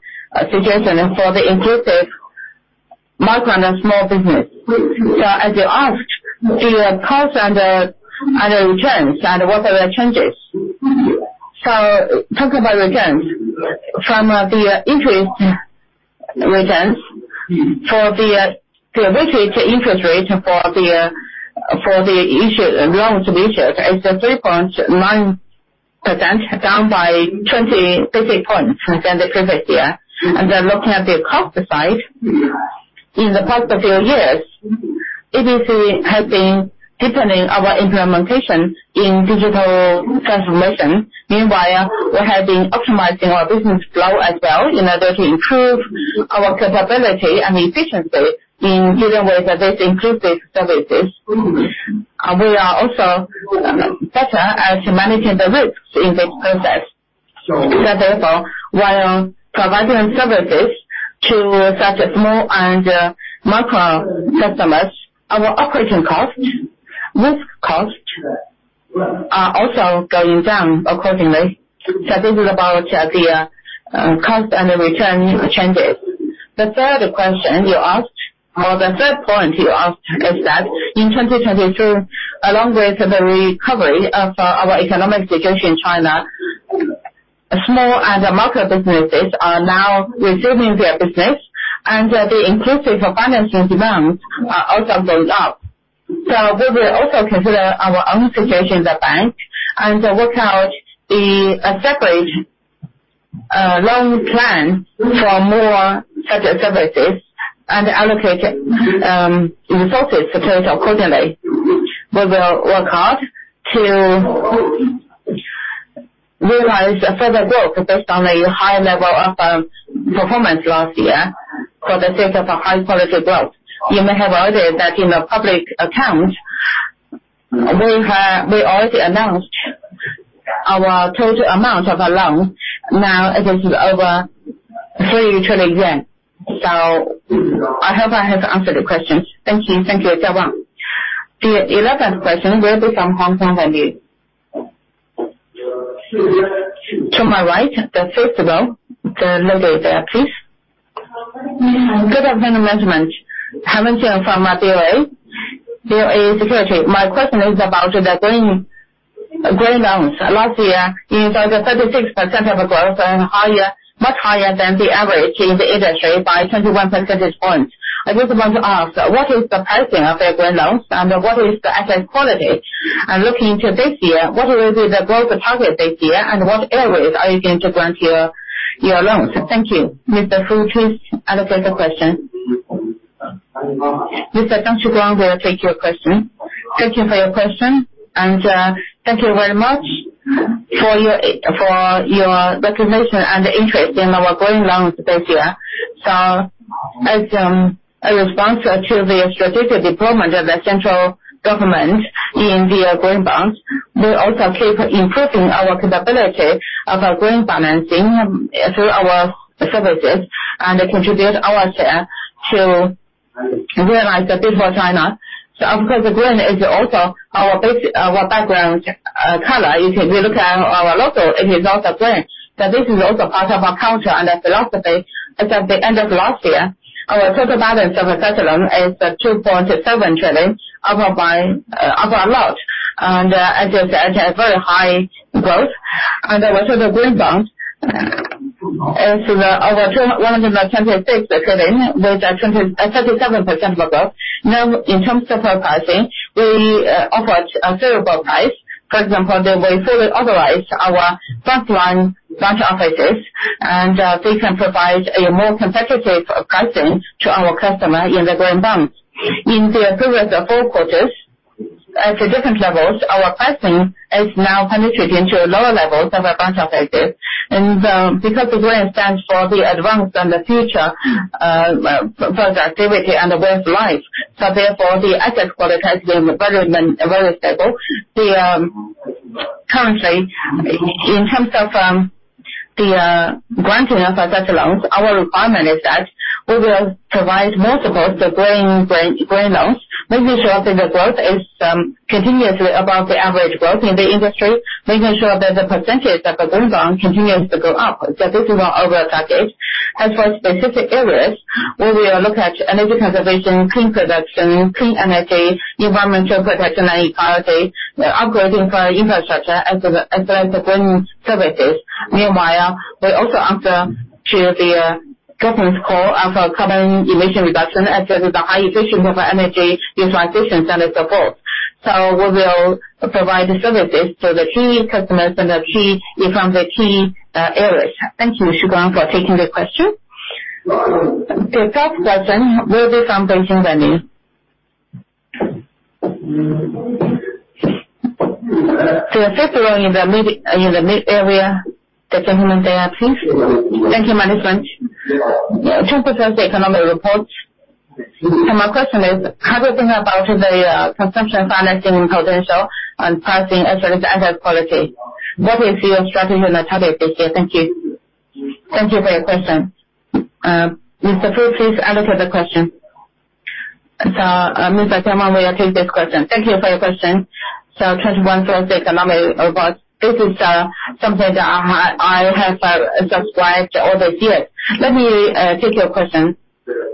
A: situation for the inclusive micro and small business. As you asked, the cost and the returns and what are the changes. Talking about returns, from the interest returns for the basic interest rate for the loans issued is 3.9%, down by 20 basic points than the previous year. Looking at the cost side, in the past few years, ABC has been deepening our implementation in digital transformation. Meanwhile, we have been optimizing our business flow as well in order to improve our capability and efficiency in delivering the best inclusive services. We are also better at managing the risks in this process. Therefore, while providing services to such small and micro customers, our operating costs, risk costs are also going down accordingly. This is about the cost and return changes. The third question you asked, or the third point you asked is that in 2022, along with the recovery of our economic situation in China, small and micro businesses are now resuming their business and the inclusive financing demands are also going up. We will also consider our own situation as a bank and work out the separate loan plan for more such services and allocate resources to it accordingly. We will work hard to realize a further growth based on a high level of performance last year for the sake of a high quality growth. You may have already read in the public accounts, we already announced our total amount of our loans. Now it is over CNY 3 trillion. I hope I have answered your questions. Thank you. Thank you, Jiabao. The 11th question will be from Hong Kong venue. To my right, the fifth row. The lady there, please. Good afternoon, management. Good afternoon. From DOA Security. My question is about the green loans. Last year is at a 36% of growth and higher, much higher than the average in the industry by 21 percentage points. I just want to ask, what is the pricing of your green loans, and what is the asset quality? Looking to this year, what will be the growth target this year, and what areas are you going to grant your loans? Thank you. Mr. Fu, please allocate the question. Mr. Zhang Xuguang will take your question. Thank you for your question, and thank you very much for your recognition and interest in our green loans this year. As a response to the strategic deployment of the central government in the green bonds, we also keep improving our capability of our green financing through our services and contribute our share to realize the beautiful China. Of course, the green is also our background color. If you will look at our logo, it is also green. This is also part of our culture and the philosophy. As at the end of last year, our total balance of asset loan is at 2.7 trillion, up a lot. It is at a very high growth. Also the green bonds is over 210.6 billion, with 37% of growth. Now, in terms of our pricing, we offered a favorable price. For example, we fully authorize our front line branch offices, and they can provide a more competitive pricing to our customer in the green bonds. In the previous four quarters, at the different levels, our pricing has now penetrated into lower levels of our branch offices. Because the green stands for the advance and the future, productivity and the work life. Therefore, the asset quality has been very, very stable. We currently, in terms of the granting of asset loans, our requirement is that we will provide most of those to green loans, making sure that the growth is continuously above the average growth in the industry, making sure that the percentage of the green bond continues to go up. This is our overall target. As for specific areas, we will look at energy conservation, clean production, clean energy, environmental protection and equality, the upgrading for infrastructure as the green services. Meanwhile, we also answer to the government's call of carbon emission reduction as the high efficient of energy utilization and the support. We will provide the services to the key customers and the key from the key areas. Thank you, Mr. Zhang, for taking the question. The 12th question will be from Beijing venue. The 5th row in the mid area. The gentleman there, please. Thank you, management. China Business Economic Reports. My question is, how do you think about the consumption financing potential and pricing as well as asset quality? What is your strategy in the target this year? Thank you. Thank you for your question. Mr. Fu, please allocate the question. Mr. Jiabao will take this question. Thank you for your question. 21 from the economic reports. This is something that I have described over the years. Let me take your question.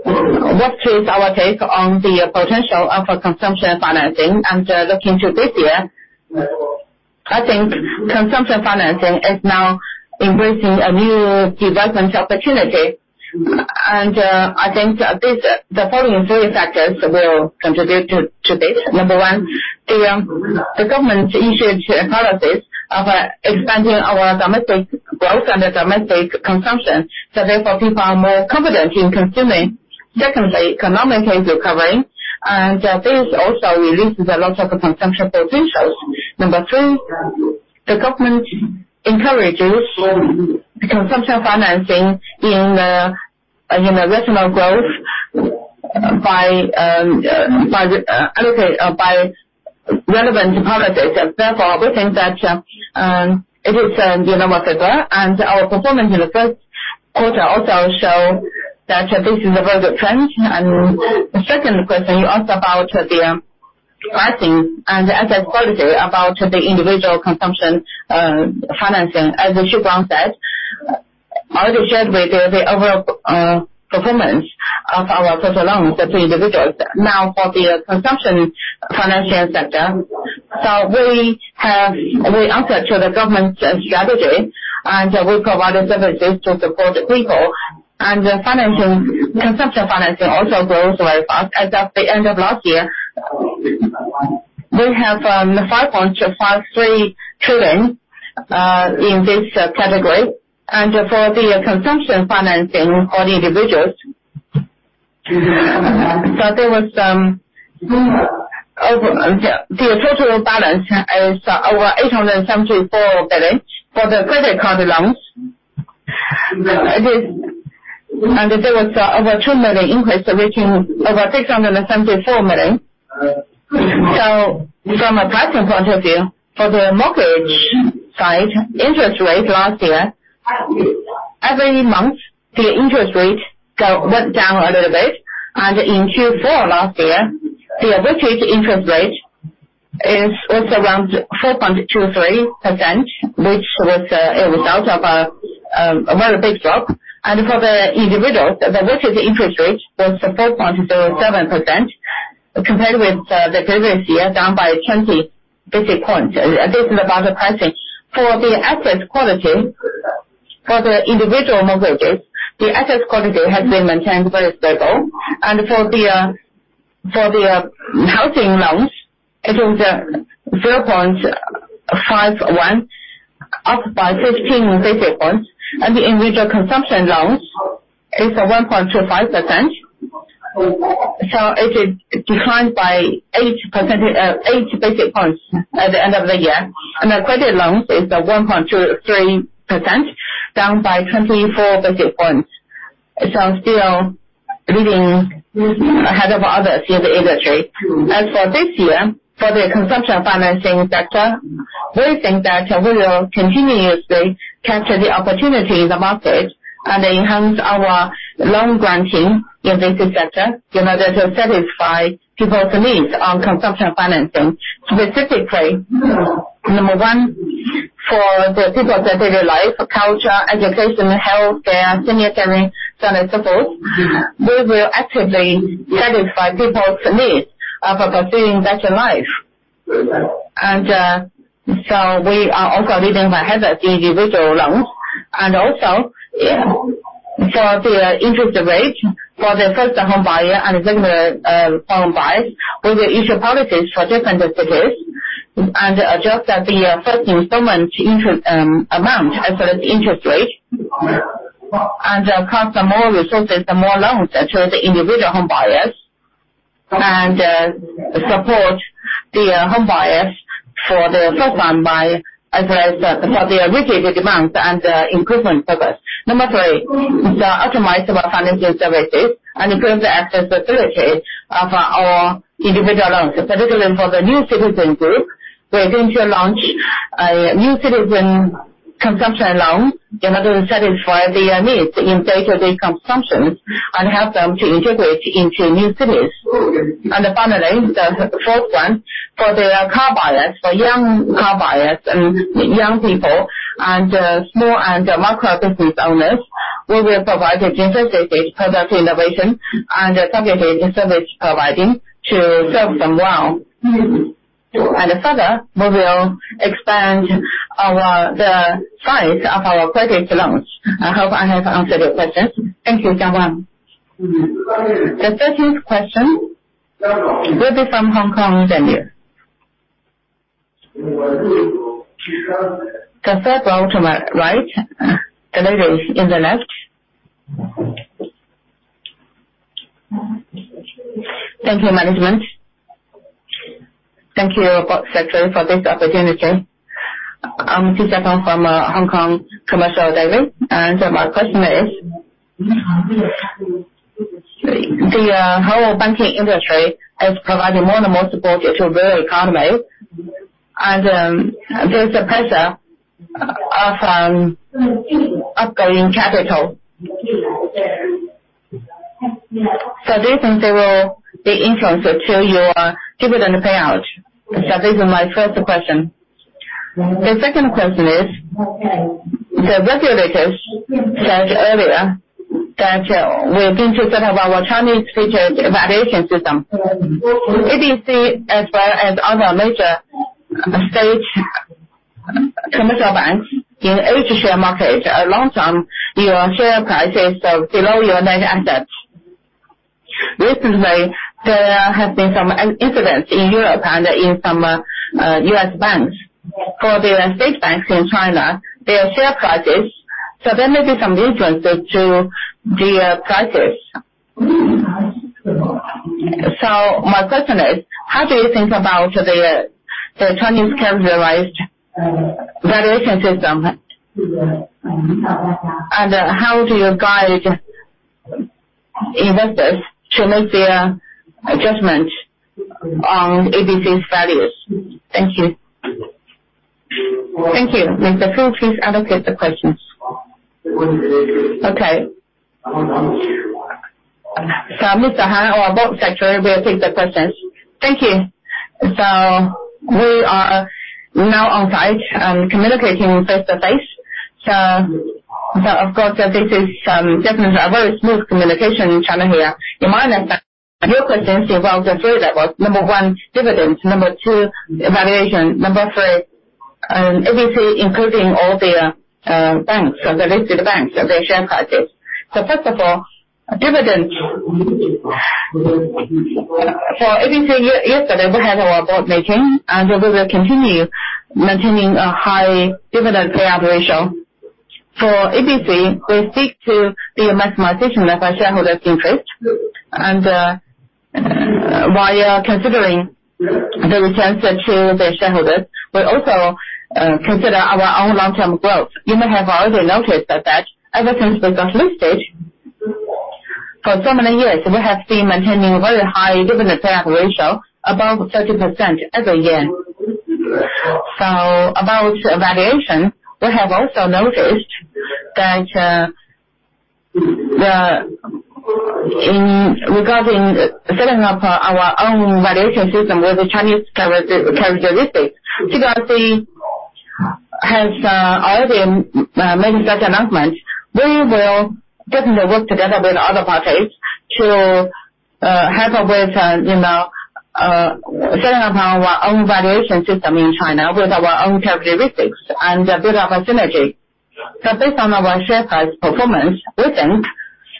A: What is our take on the potential of a consumption financing? Looking to this year, I think consumption financing is now embracing a new development opportunity. I think that the following three factors will contribute to this. Number one, the government issued policies of expanding our domestic growth and the domestic consumption. Therefore, people are more confident in consuming. Secondly, economy is recovering. This also releases a lot of consumption potentials. Number three, the government encourages consumption financing in the regional growth by the relevant policies. Therefore, we think that it is a normal figure. Our performance in the first quarter also show that this is a very good trend. The second question you asked about the pricing and the asset quality, about the individual consumption financing. As Mr. Zhang said, I already shared with you the overall performance of our total loans to individuals. Now for the consumption financing sector, so we answer to the government's strategy, and we provided services to support the people. Consumption financing also grows very fast. As of the end of last year, we have 5.53 trillion in this category. For the consumption financing for the individuals, So there was Yeah, the total balance is over CNY 874 million for the credit card loans. There was over 2 million increase reaching over 674 million. From a pricing point of view, for the mortgage side, interest rate last year, every month, the interest rate went down a little bit. In Q4 last year, the average interest rate is also around 4.23%, which was a result of a very big drop. For the individuals, the weighted interest rate was 4.07% compared with the previous year, down by 20 basis points. This is about the pricing. For the asset quality, for the individual mortgages, the asset quality has been maintained very stable. For the housing loans, it is 4.51%, up by 15 basis points. The individual consumption loans is 1.25%, so it is declined by 8 basic points at the end of the year. Our credit loans is 1.23%, down by 24 basis points. I'm still leading ahead of others in the industry. For this year, for the consumption financing sector, we think that we will continuously capture the opportunity in the market and enhance our loan granting in this sector in order to satisfy people's needs on consumption financing. Specifically, number one, for the people's everyday life, culture, education, healthcare, senior care, so on and so forth. We will actively satisfy people's needs of pursuing better life. We are also leading ahead of the individual loans. Also, for the interest rate for the first homebuyer and regular home buyers, we will issue policies for different strategies and adjust the first installment amount as well as interest rate. Count more resources and more loans towards the individual homebuyers and support the homebuyers for the first-time buy as well as for their repeated demands and improvement purpose. Number three, to optimize our financial services and improve the accessibility of our individual loans, particularly for the new citizen group. We are going to launch a new citizen consumption loan in order to satisfy their needs in day-to-day consumptions and help them to integrate into new cities. Finally, the 4th one, for the car buyers, for young car buyers and young people, small and micro business owners, we will provide a differentiated product innovation and targeted service providing to serve them well. Further, we will expand the size of our credit loans. I hope I have answered your question. Thank you, Xiaowang. The 2nd question will be from Hong Kong venue. The 3rd row to my right. The lady in the left. Thank you, management. Thank you, secretary, for this opportunity. I'm Cacia Tong from Hong Kong Commercial Daily. My question is, the whole banking industry has provided more and more support to real economy. There's a pressure of upgrading capital. Do you think they will be influenced to your dividend payout? This is my 1st question. The second question is, the regulators said earlier that we've been to set up our Chinese rated valuation system. ABC, as well as other major state commercial banks in each share market are long-term, your share prices are below your net assets. Recently, there have been some incidents in Europe and in some U.S. banks. For the state banks in China, their share prices, there may be some differences to their prices. My question is, how do you think about the Chinese capitalized valuation system? How do you guide investors to make their adjustments on ABC's values? Thank you. Thank you. Mr. Fu, please allocate the questions. Mr. Han or our Board Secretary will take the questions. Thank you. We are now on site and communicating face-to-face. Of course, this is definitely a very smooth communication channel here. You might ask your questions involved in three levels. Number one, dividends. Number two, evaluation. Number three, ABC including all their banks or the listed banks of their share prices. First of all, dividends. For ABC, yesterday, we had our board meeting, and we will continue maintaining a high dividend payout ratio. For ABC, we seek to be a maximization of our shareholders' interest. While considering the returns that show the shareholders, we also consider our own long-term growth. You may have already noticed that ever since we got listed, for so many years, we have been maintaining very high dividend payout ratio, above 30% every year. About valuation, we have also noticed that in regarding setting up our own valuation system with the Chinese characteristics. CBRC has already made such announcements. We will definitely work together with other parties to, you know, setting up our own valuation system in China with our own characteristics and build up a synergy. Based on our share price performance recent,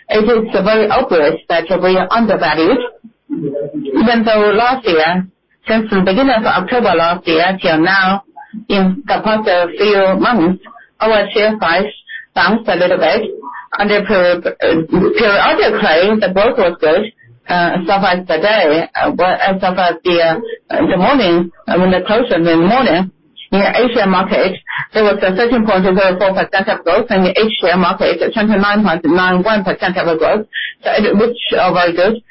A: it is very obvious that we are undervalued, even though last year, since the beginning of October last year till now, in the past few months, our share price bounced a little bit under periodic claim. The growth was good, so far as the day, well, as so far as the morning, when they closed in the morning. In A-share market, there was a 13.04% of growth. In the H-share market, a 29.91% of growth. Which are very good.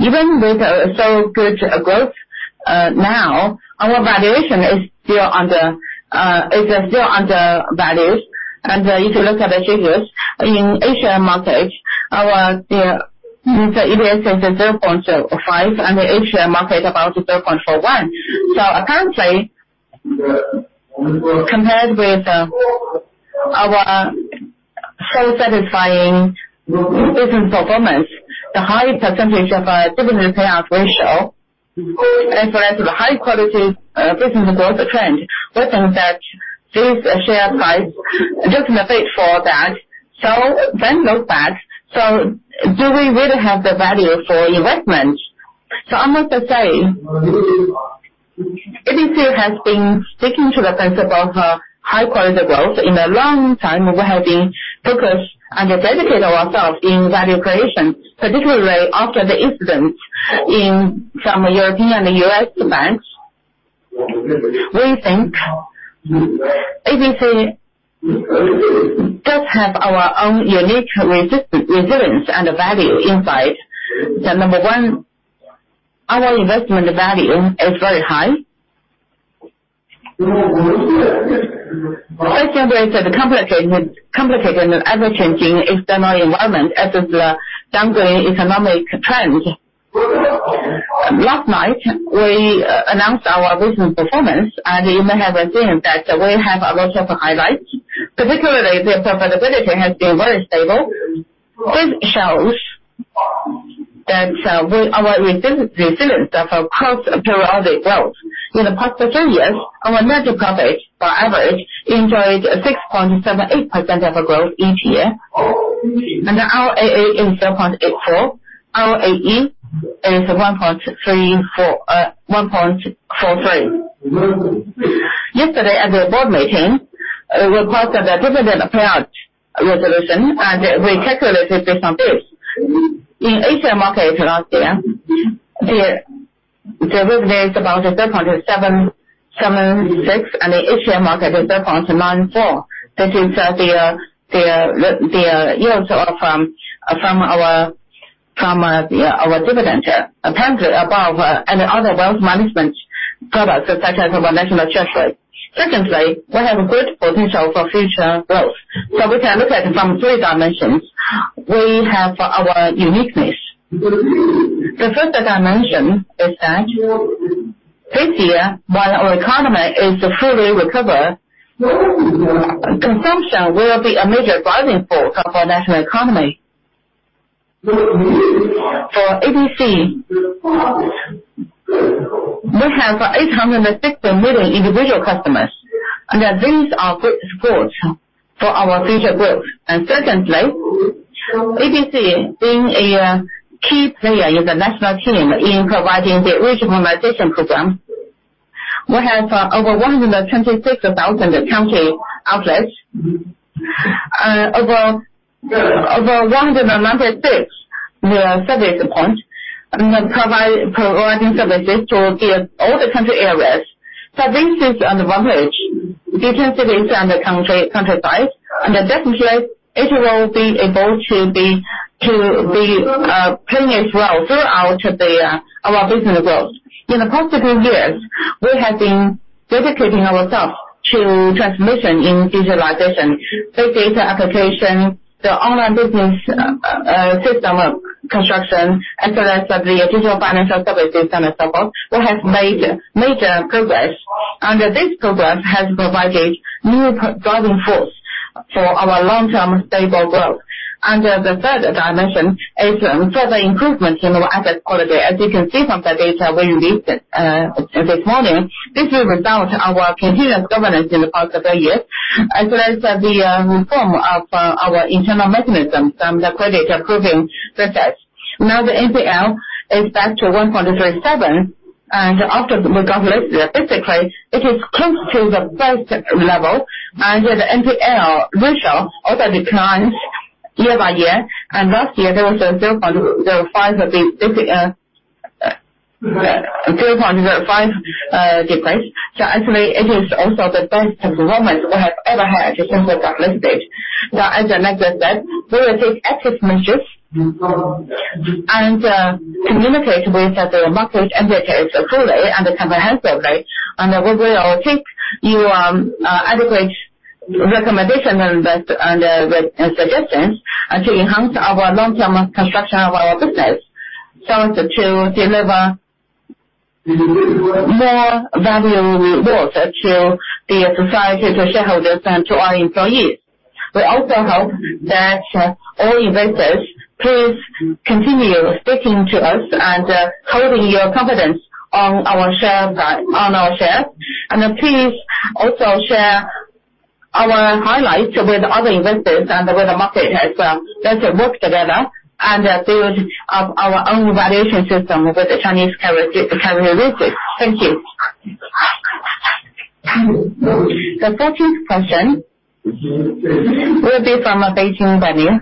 A: Even with so good growth, now our valuation is still undervalued. If you look at the figures, in A-share market, our EPS is at 0.5, and the H-share market about 0.41. Apparently, compared with our so satisfying recent performance, the high % of our dividend payout ratio and for us the high quality business growth trend. We think that this share price doesn't fit for that. When we look back, do we really have the value for investment? I must say, ABC has been sticking to the principle of high-quality growth. In the long term, we have been focused and dedicated ourselves in value creation, particularly after the incidents in some European and U.S. banks. We think ABC does have our own unique resilience and value inside. The number one, our investment value is very high. Despite the complicated and ever-changing external environment as well as the down-going economic trends. Last night, we announced our recent performance, and you may have seen that we have a lot of highlights. Particularly the profitability has been very stable. This shows that, we Our resilience of our cost periodic growth. In the past three years, our net profit for average enjoyed a 6.78% of growth each year. And our AA is 0.84. Our AE is 1.43. Yesterday at the board meeting, we passed the dividend payout resolution, and we calculated based on this. In A-share market last year, the dividend is about 0.776, and the H-share market is 0.94. This is the yields from our dividend. Apparently above any other wealth management products such as our national treasury. We have a great potential for future growth. We can look at it from three dimensions. We have our uniqueness. The first dimension is that this year, while our economy is fully recovered, consumption will be a major driving force of our national economy. For ABC, we have 860 million individual customers. These are good scores for our future growth. Secondly, ABC being a key player in the national team in providing the regionalization program. We have over 126,000 county outlets. Over 196 service points providing services to all the county areas. This is an advantage due to the size and the country size. Definitely, it will be able to be playing its role throughout our business growth. In the past two years, we have been dedicating ourselves to transformation in digitalization. Big data application, the online business system construction, as well as the digital financial services and so forth. We have made major progress, and this progress has provided new driving force for our long-term stable growth. The third dimension is further improvements in our asset quality. As you can see from the data we released this morning, this is a result our continuous governance in the past couple years, as well as the reform of our internal mechanisms from the credit approving process. The NPL is back to 1.37. After we got listed, basically, it is close to the first level. The NPL ratio also declines year-by-year. Last year there was a 0.05 decrease. Actually it is also the best performance we have ever had since we got listed. As Nicholas said, we will take active measures and communicate with the market entities fully and comprehensively. We will take your adequate recommendation and suggestions to enhance our long-term construction of our business so as to deliver more valuable rewards to the society, to shareholders, and to our employees. We also hope that all investors please continue speaking to us and holding your confidence on our share price, on our shares. Please also share our highlights with other investors and with the market as, let's work together and build up our own evaluation system with the Chinese characteristics. Thank you. The 14th question will be from a Beijing venue.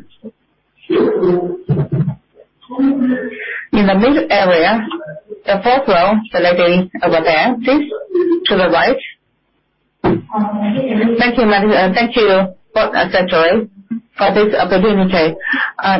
A: In the middle area, the 4th row, the lady over there. Please to the right. Thank you, Board Secretary, for this opportunity.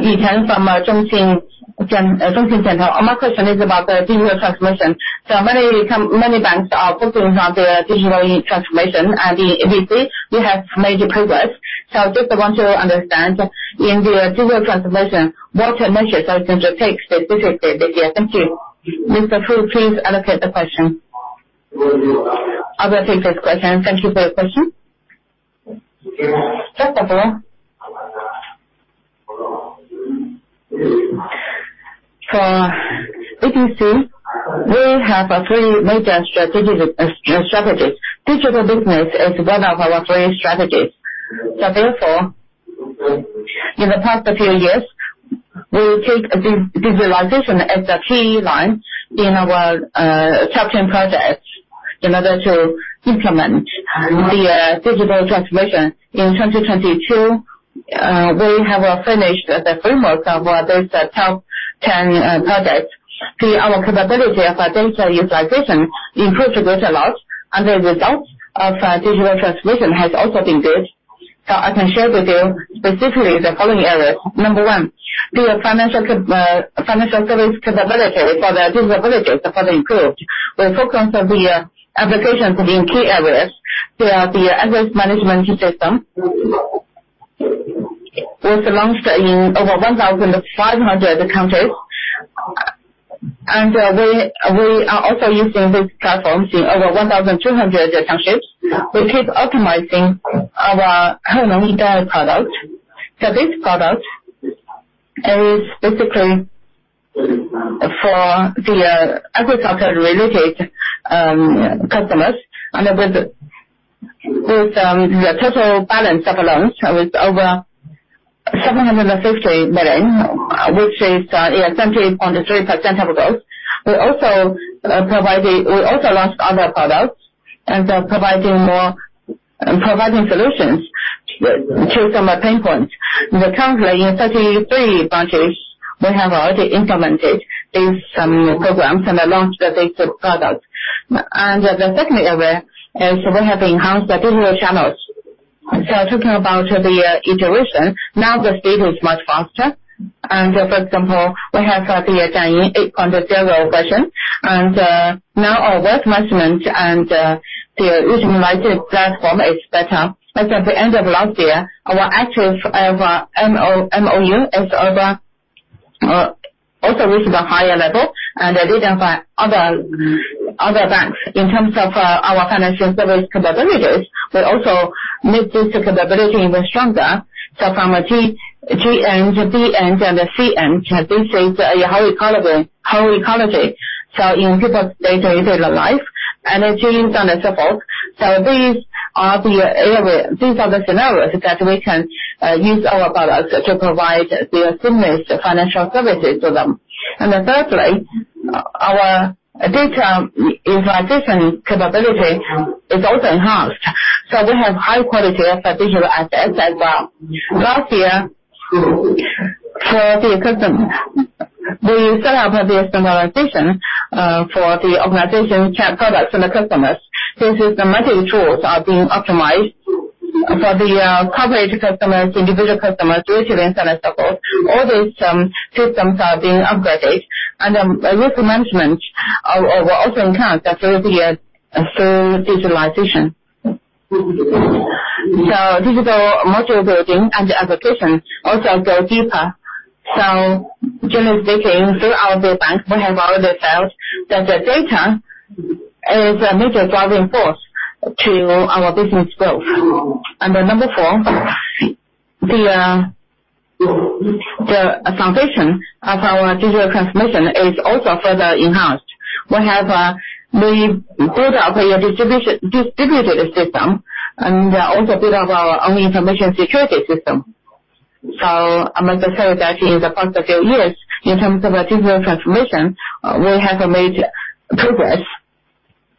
A: Yi Tang from CITIC Securities. My question is about the digital transformation. Many banks are focusing on their digital transformation, and we see you have made progress. Just want to understand, in the digital transformation, what measures are going to take specifically this year? Thank you. Mr. Fu, please allocate the question. I will take this question. Thank you for your question. First of all, for ABC, we have three major strategic strategies. Digital business is one of our three strategies. Therefore, in the past few years, we take digitalization as the key line in our top 10 projects in order to implement the digital transformation. In 2022, we have finished the framework of our those top 10 projects. Our capability of data utilization improved a great lot, and the results of digital transformation has also been good. I can share with you specifically the following areas. Number one, the financial service capability for the digital abilities have been improved. We focus on the applications in key areas via the risk management system. We've launched in over 1,500 counties. We are also using this platform in over 1,200 townships. We keep optimizing our agricultural products. This product is basically for the agricultural related customers. With the total balance of loans with over 750 million, which is 80.3% of the growth. We also launched other products and are providing solutions to some pain points. In the country, in 33 branches, we have already implemented these programs and launched these products. The second area is we have enhanced the digital channels. Talking about the iteration, now the speed is much faster. For example, we have the Jiayin 8.0 version. Now our risk management and the united platform is better. Like at the end of last year, our active MAU is over, also reached a higher level. Driven by other banks, in terms of our financial service capabilities, we also make this capability even stronger. From a GN to BN to the CN, these things are a whole ecology. In people's day-to-day life and in jeans and a circle. These are the scenarios that we can use our products to provide the seamless financial services to them. Thirdly, our data utilization capability is also enhanced. We have high quality of digital assets as well. Last year, for the customer, we set up the standardization for the organization products and the customers. These systematic tools are being optimized. For the corporate customers, individual customers, retail and so on and so forth, all these systems are being upgraded. Risk management of course also enhanced through digitalization. Digital model building and the application also go deeper. During this decade, through our data banks, we have already found that the data is a major driving force to our business growth. Number four, the foundation of our digital transformation is also further enhanced. We have built up a distributed system and also build up our own information security system. I must say that in the past few years, in terms of the digital transformation, we have made progress.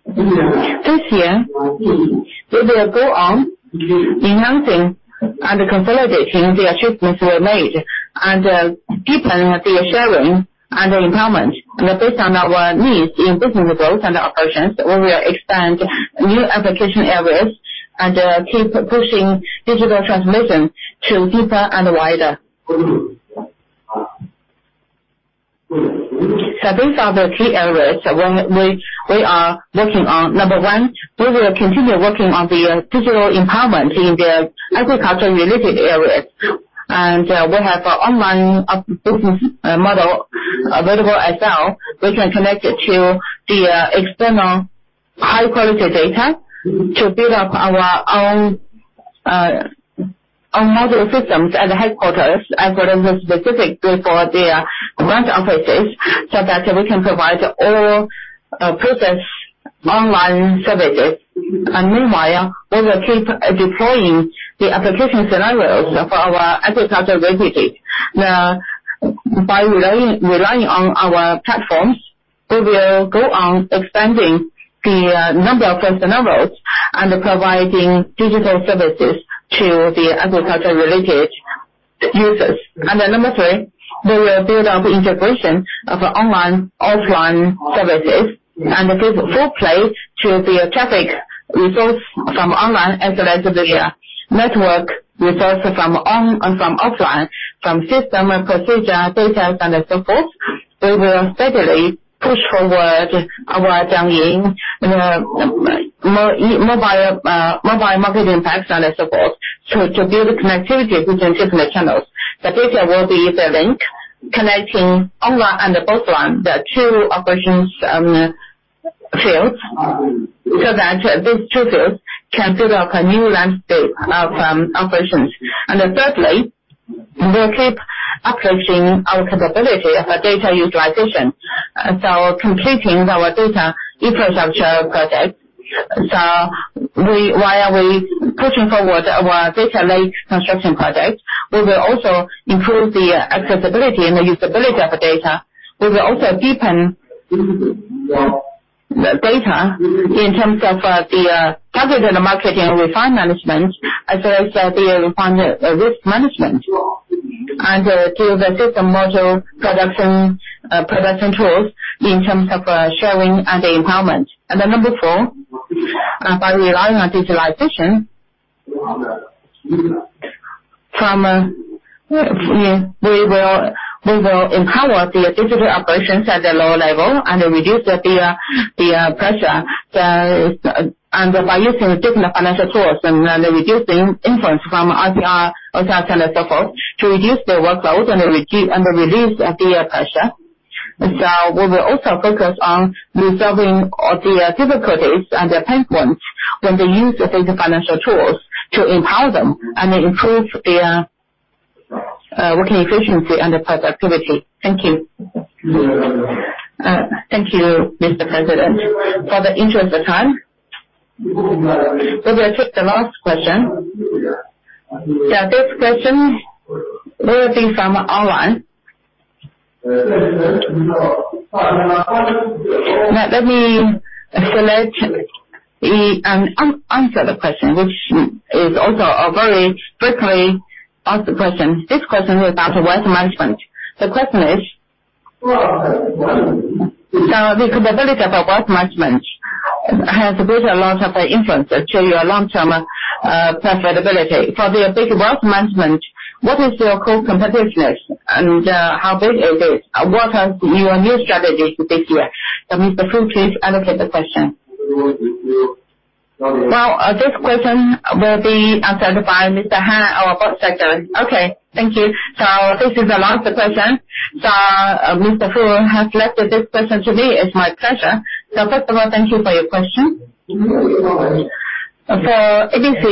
A: This year, we will go on enhancing and consolidating the achievements we have made and deepen the sharing and empowerment. Based on our needs in business growth and operations, we will expand new application areas and keep pushing digital transformation to deeper and wider. These are the key areas that we are working on. 1, we will continue working on the digital empowerment in the agriculture-related areas. We have an online business model available as well, which can connect it to the external high quality data to build up our own model systems at the headquarters, according specifically for their branch offices, so that we can provide all process online services. Meanwhile, we will keep deploying the application scenarios of our agriculture refugees. By relying on our platforms, we will go on expanding the number of personals and providing digital services to the agriculture-related users. Number three, we will build up the integration of online, offline services, and give full play to the traffic resource from online as well as the network resource from on and from offline, from system, procedure, data, and so forth. We will steadily push forward our Zhangyin, you know, mobile marketing packs and so forth, to build connectivity between different channels. The data will be the link connecting online and offline, the two operations fields, so that these two fields can build up a new landscape of operations. Thirdly, we'll keep approaching our capability of data utilization. Completing our data infrastructure project. We, while we're pushing forward our data lake construction project, we will also improve the accessibility and the usability of data. We will also deepen data in terms of the targeted marketing and refined management as well as the refined risk management. Through the system module production tools in terms of sharing and empowerment. Number four, by relying on digitalization, we will empower the digital operations at the lower level and reduce the pressure. By using digital financial tools and reducing influence from APR, OTC and so forth, to reduce the workload and the release of the pressure. We will also focus on resolving all the difficulties and the pain points when they use the digital financial tools to empower them and improve their working efficiency and the productivity. Thank you. Thank you, Mr. President. For the interest of time, we will take the last question. This question will be from online. Now let me select the answer the question, which is also a very frequently asked question. This question is about wealth management. The question is: The capability for wealth management has built a lot of influence to your long-term profitability. For the big wealth management, what is your core competitiveness and how big is it? What are your new strategies this year? Mr. Fu, please allocate the question. This question will be answered by Mr. Han, our Board Secretary. Okay, thank you. This is the last question. Mr. Fu has left this question to me. It's my pleasure. First of all, thank you for your question. ABC,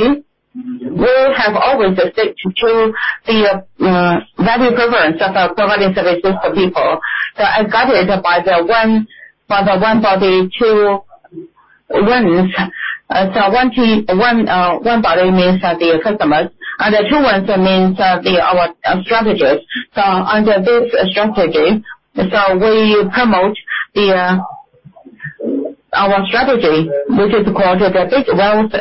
A: we have always sticked to the value preference of providing services for people. As guided by the one body, two wings. One team, one body means that they are customers, and the two wings means that they are our strategies. Under this strategy, we promote the our strategy, which is called the Big Wealth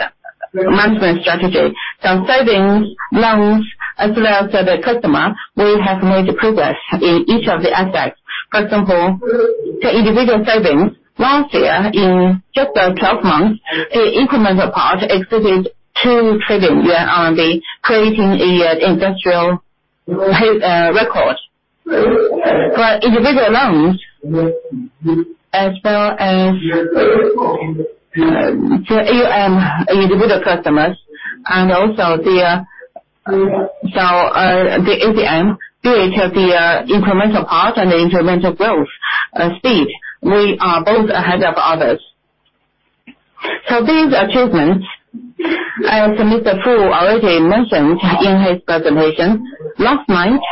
A: Management Strategy. Savings, loans, as well as other customer, we have made progress in each of the aspects. For example, the individual savings, last year in just 12 months, the incremental part exceeded 2 trillion yuan, creating a industrial record. For individual loans as well as the AUM individual customers and also the ATM, both have the incremental part and the incremental growth speed. We are both ahead of others. These achievements, as Mr. Fu already mentioned in his presentation, last month,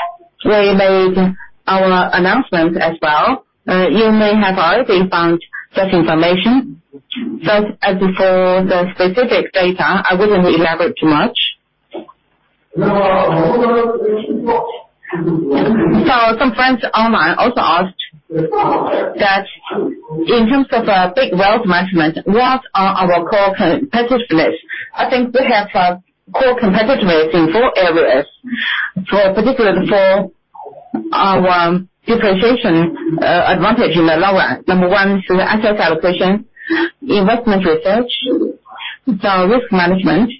A: we made our announcement as well. You may have already found this information. So as for the specific data, I wouldn't elaborate too much. Some friends online also asked that in terms of Big Wealth Management, what are our core competitors? I think we have core competitiveness in four areas. For particularly for our differentiation advantage in the long run. Number one is the asset allocation, investment research, the risk management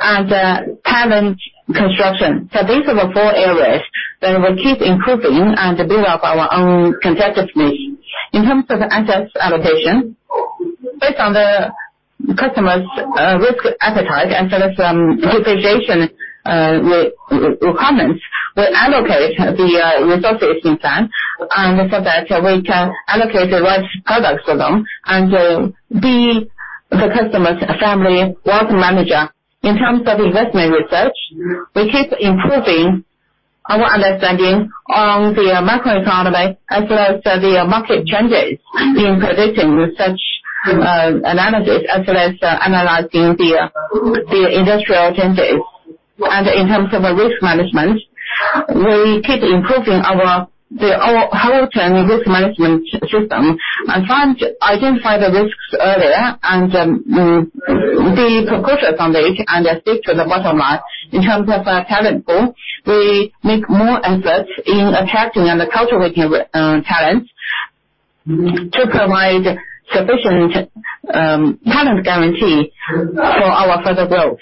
A: and talent construction. These are the four areas that we keep improving and build up our own competitiveness. In terms of the asset allocation, based on the customer's risk appetite and for some differentiation requirements, we allocate the investment plan and so that we can allocate the right products for them and be the customer's family wealth manager. In terms of investment research, we keep improving our understanding on the macroeconomy as well as the market changes in predicting such analysis, as well as analyzing the industrial changes. In terms of risk management, we keep improving our whole term risk management system and try and identify the risks earlier and be precautionary and stick to the bottom line. In terms of our talent pool, we make more efforts in attracting and cultivating talents to provide sufficient talent guarantee for our further growth.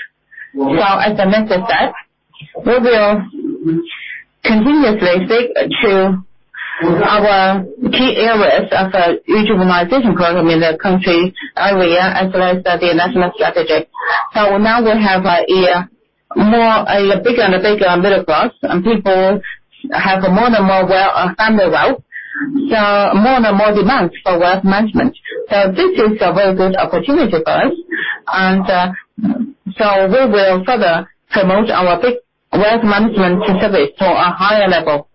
A: As I mentioned that, we will continuously stick to our key areas of regionalization program in the country area as well as the national strategy. Now we have a bigger and bigger middle class, and people have more and more wealth, family wealth, so more and more demands for wealth management. This is a very good opportunity for us, and so we will further promote our big wealth management service to a higher level.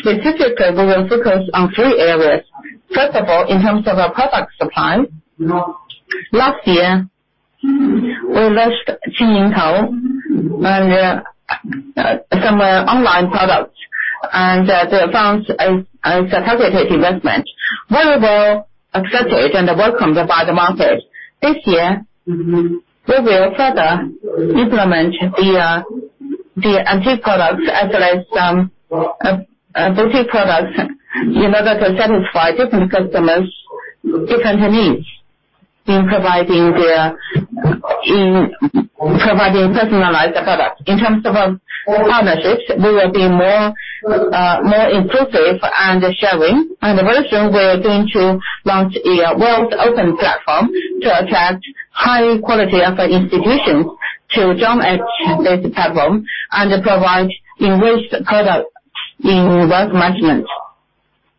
A: Specifically, we will focus on three areas. First of all, in terms of our product supply, last year, we launched and some online products and they're found as a targeted investment. Very well accepted and welcomed by the market. This year, we will further implement the the antique products as well as some basic products in order to satisfy different customers' different needs in providing personalized products. In terms of our partnerships, we will be more more inclusive and sharing. Very soon, we are going to launch a wealth open platform to attract high quality of institutions to join this platform and provide enriched products in wealth management.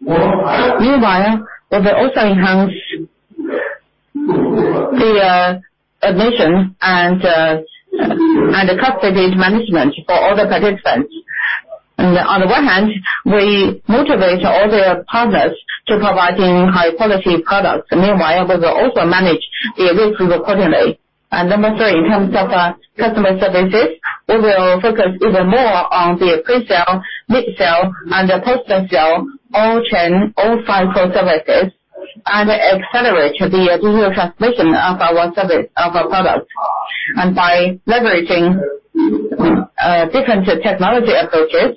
A: Meanwhile, we will also enhance the admission and and customer base management for all the participants. On the one hand, we motivate all their partners to providing high quality products. Meanwhile, we will also manage the risk accordingly. Number three, in terms of customer services, we will focus even more on the pre-sale, mid-sale, and post-sale all chain, all cycle services and accelerate the digital transformation of our service, of our products. By leveraging different technology approaches,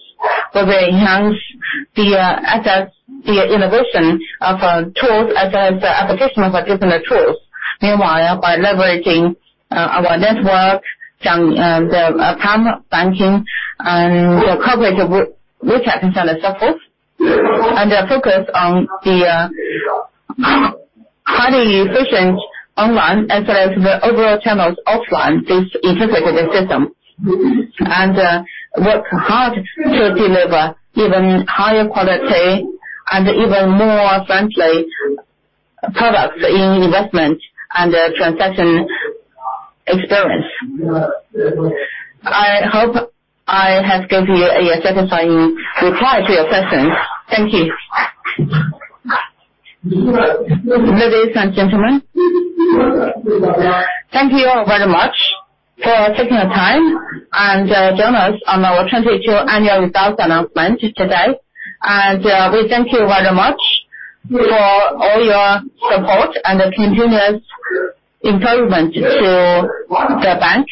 A: we will enhance the access, the innovation of tools as an application of different tools. Meanwhile, by leveraging our network, the prime banking and the coverage of WeChat and so on and so forth, and focus on the highly efficient online as well as the overall channels offline, this integrated system. Work hard to deliver even higher quality and even more friendly products in investment and transaction experience. I hope I have given you a satisfying reply to your questions. Thank you. Ladies and gentlemen, thank you very much for taking the time and joining us on our 2022 annual results announcement today. We thank you very much for all your support and the continuous improvement to the Bank.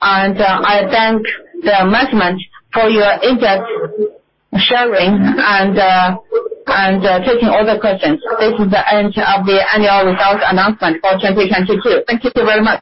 A: I thank the management for your in-depth sharing and taking all the questions. This is the end of the annual results announcement for 2022. Thank you, thank you very much.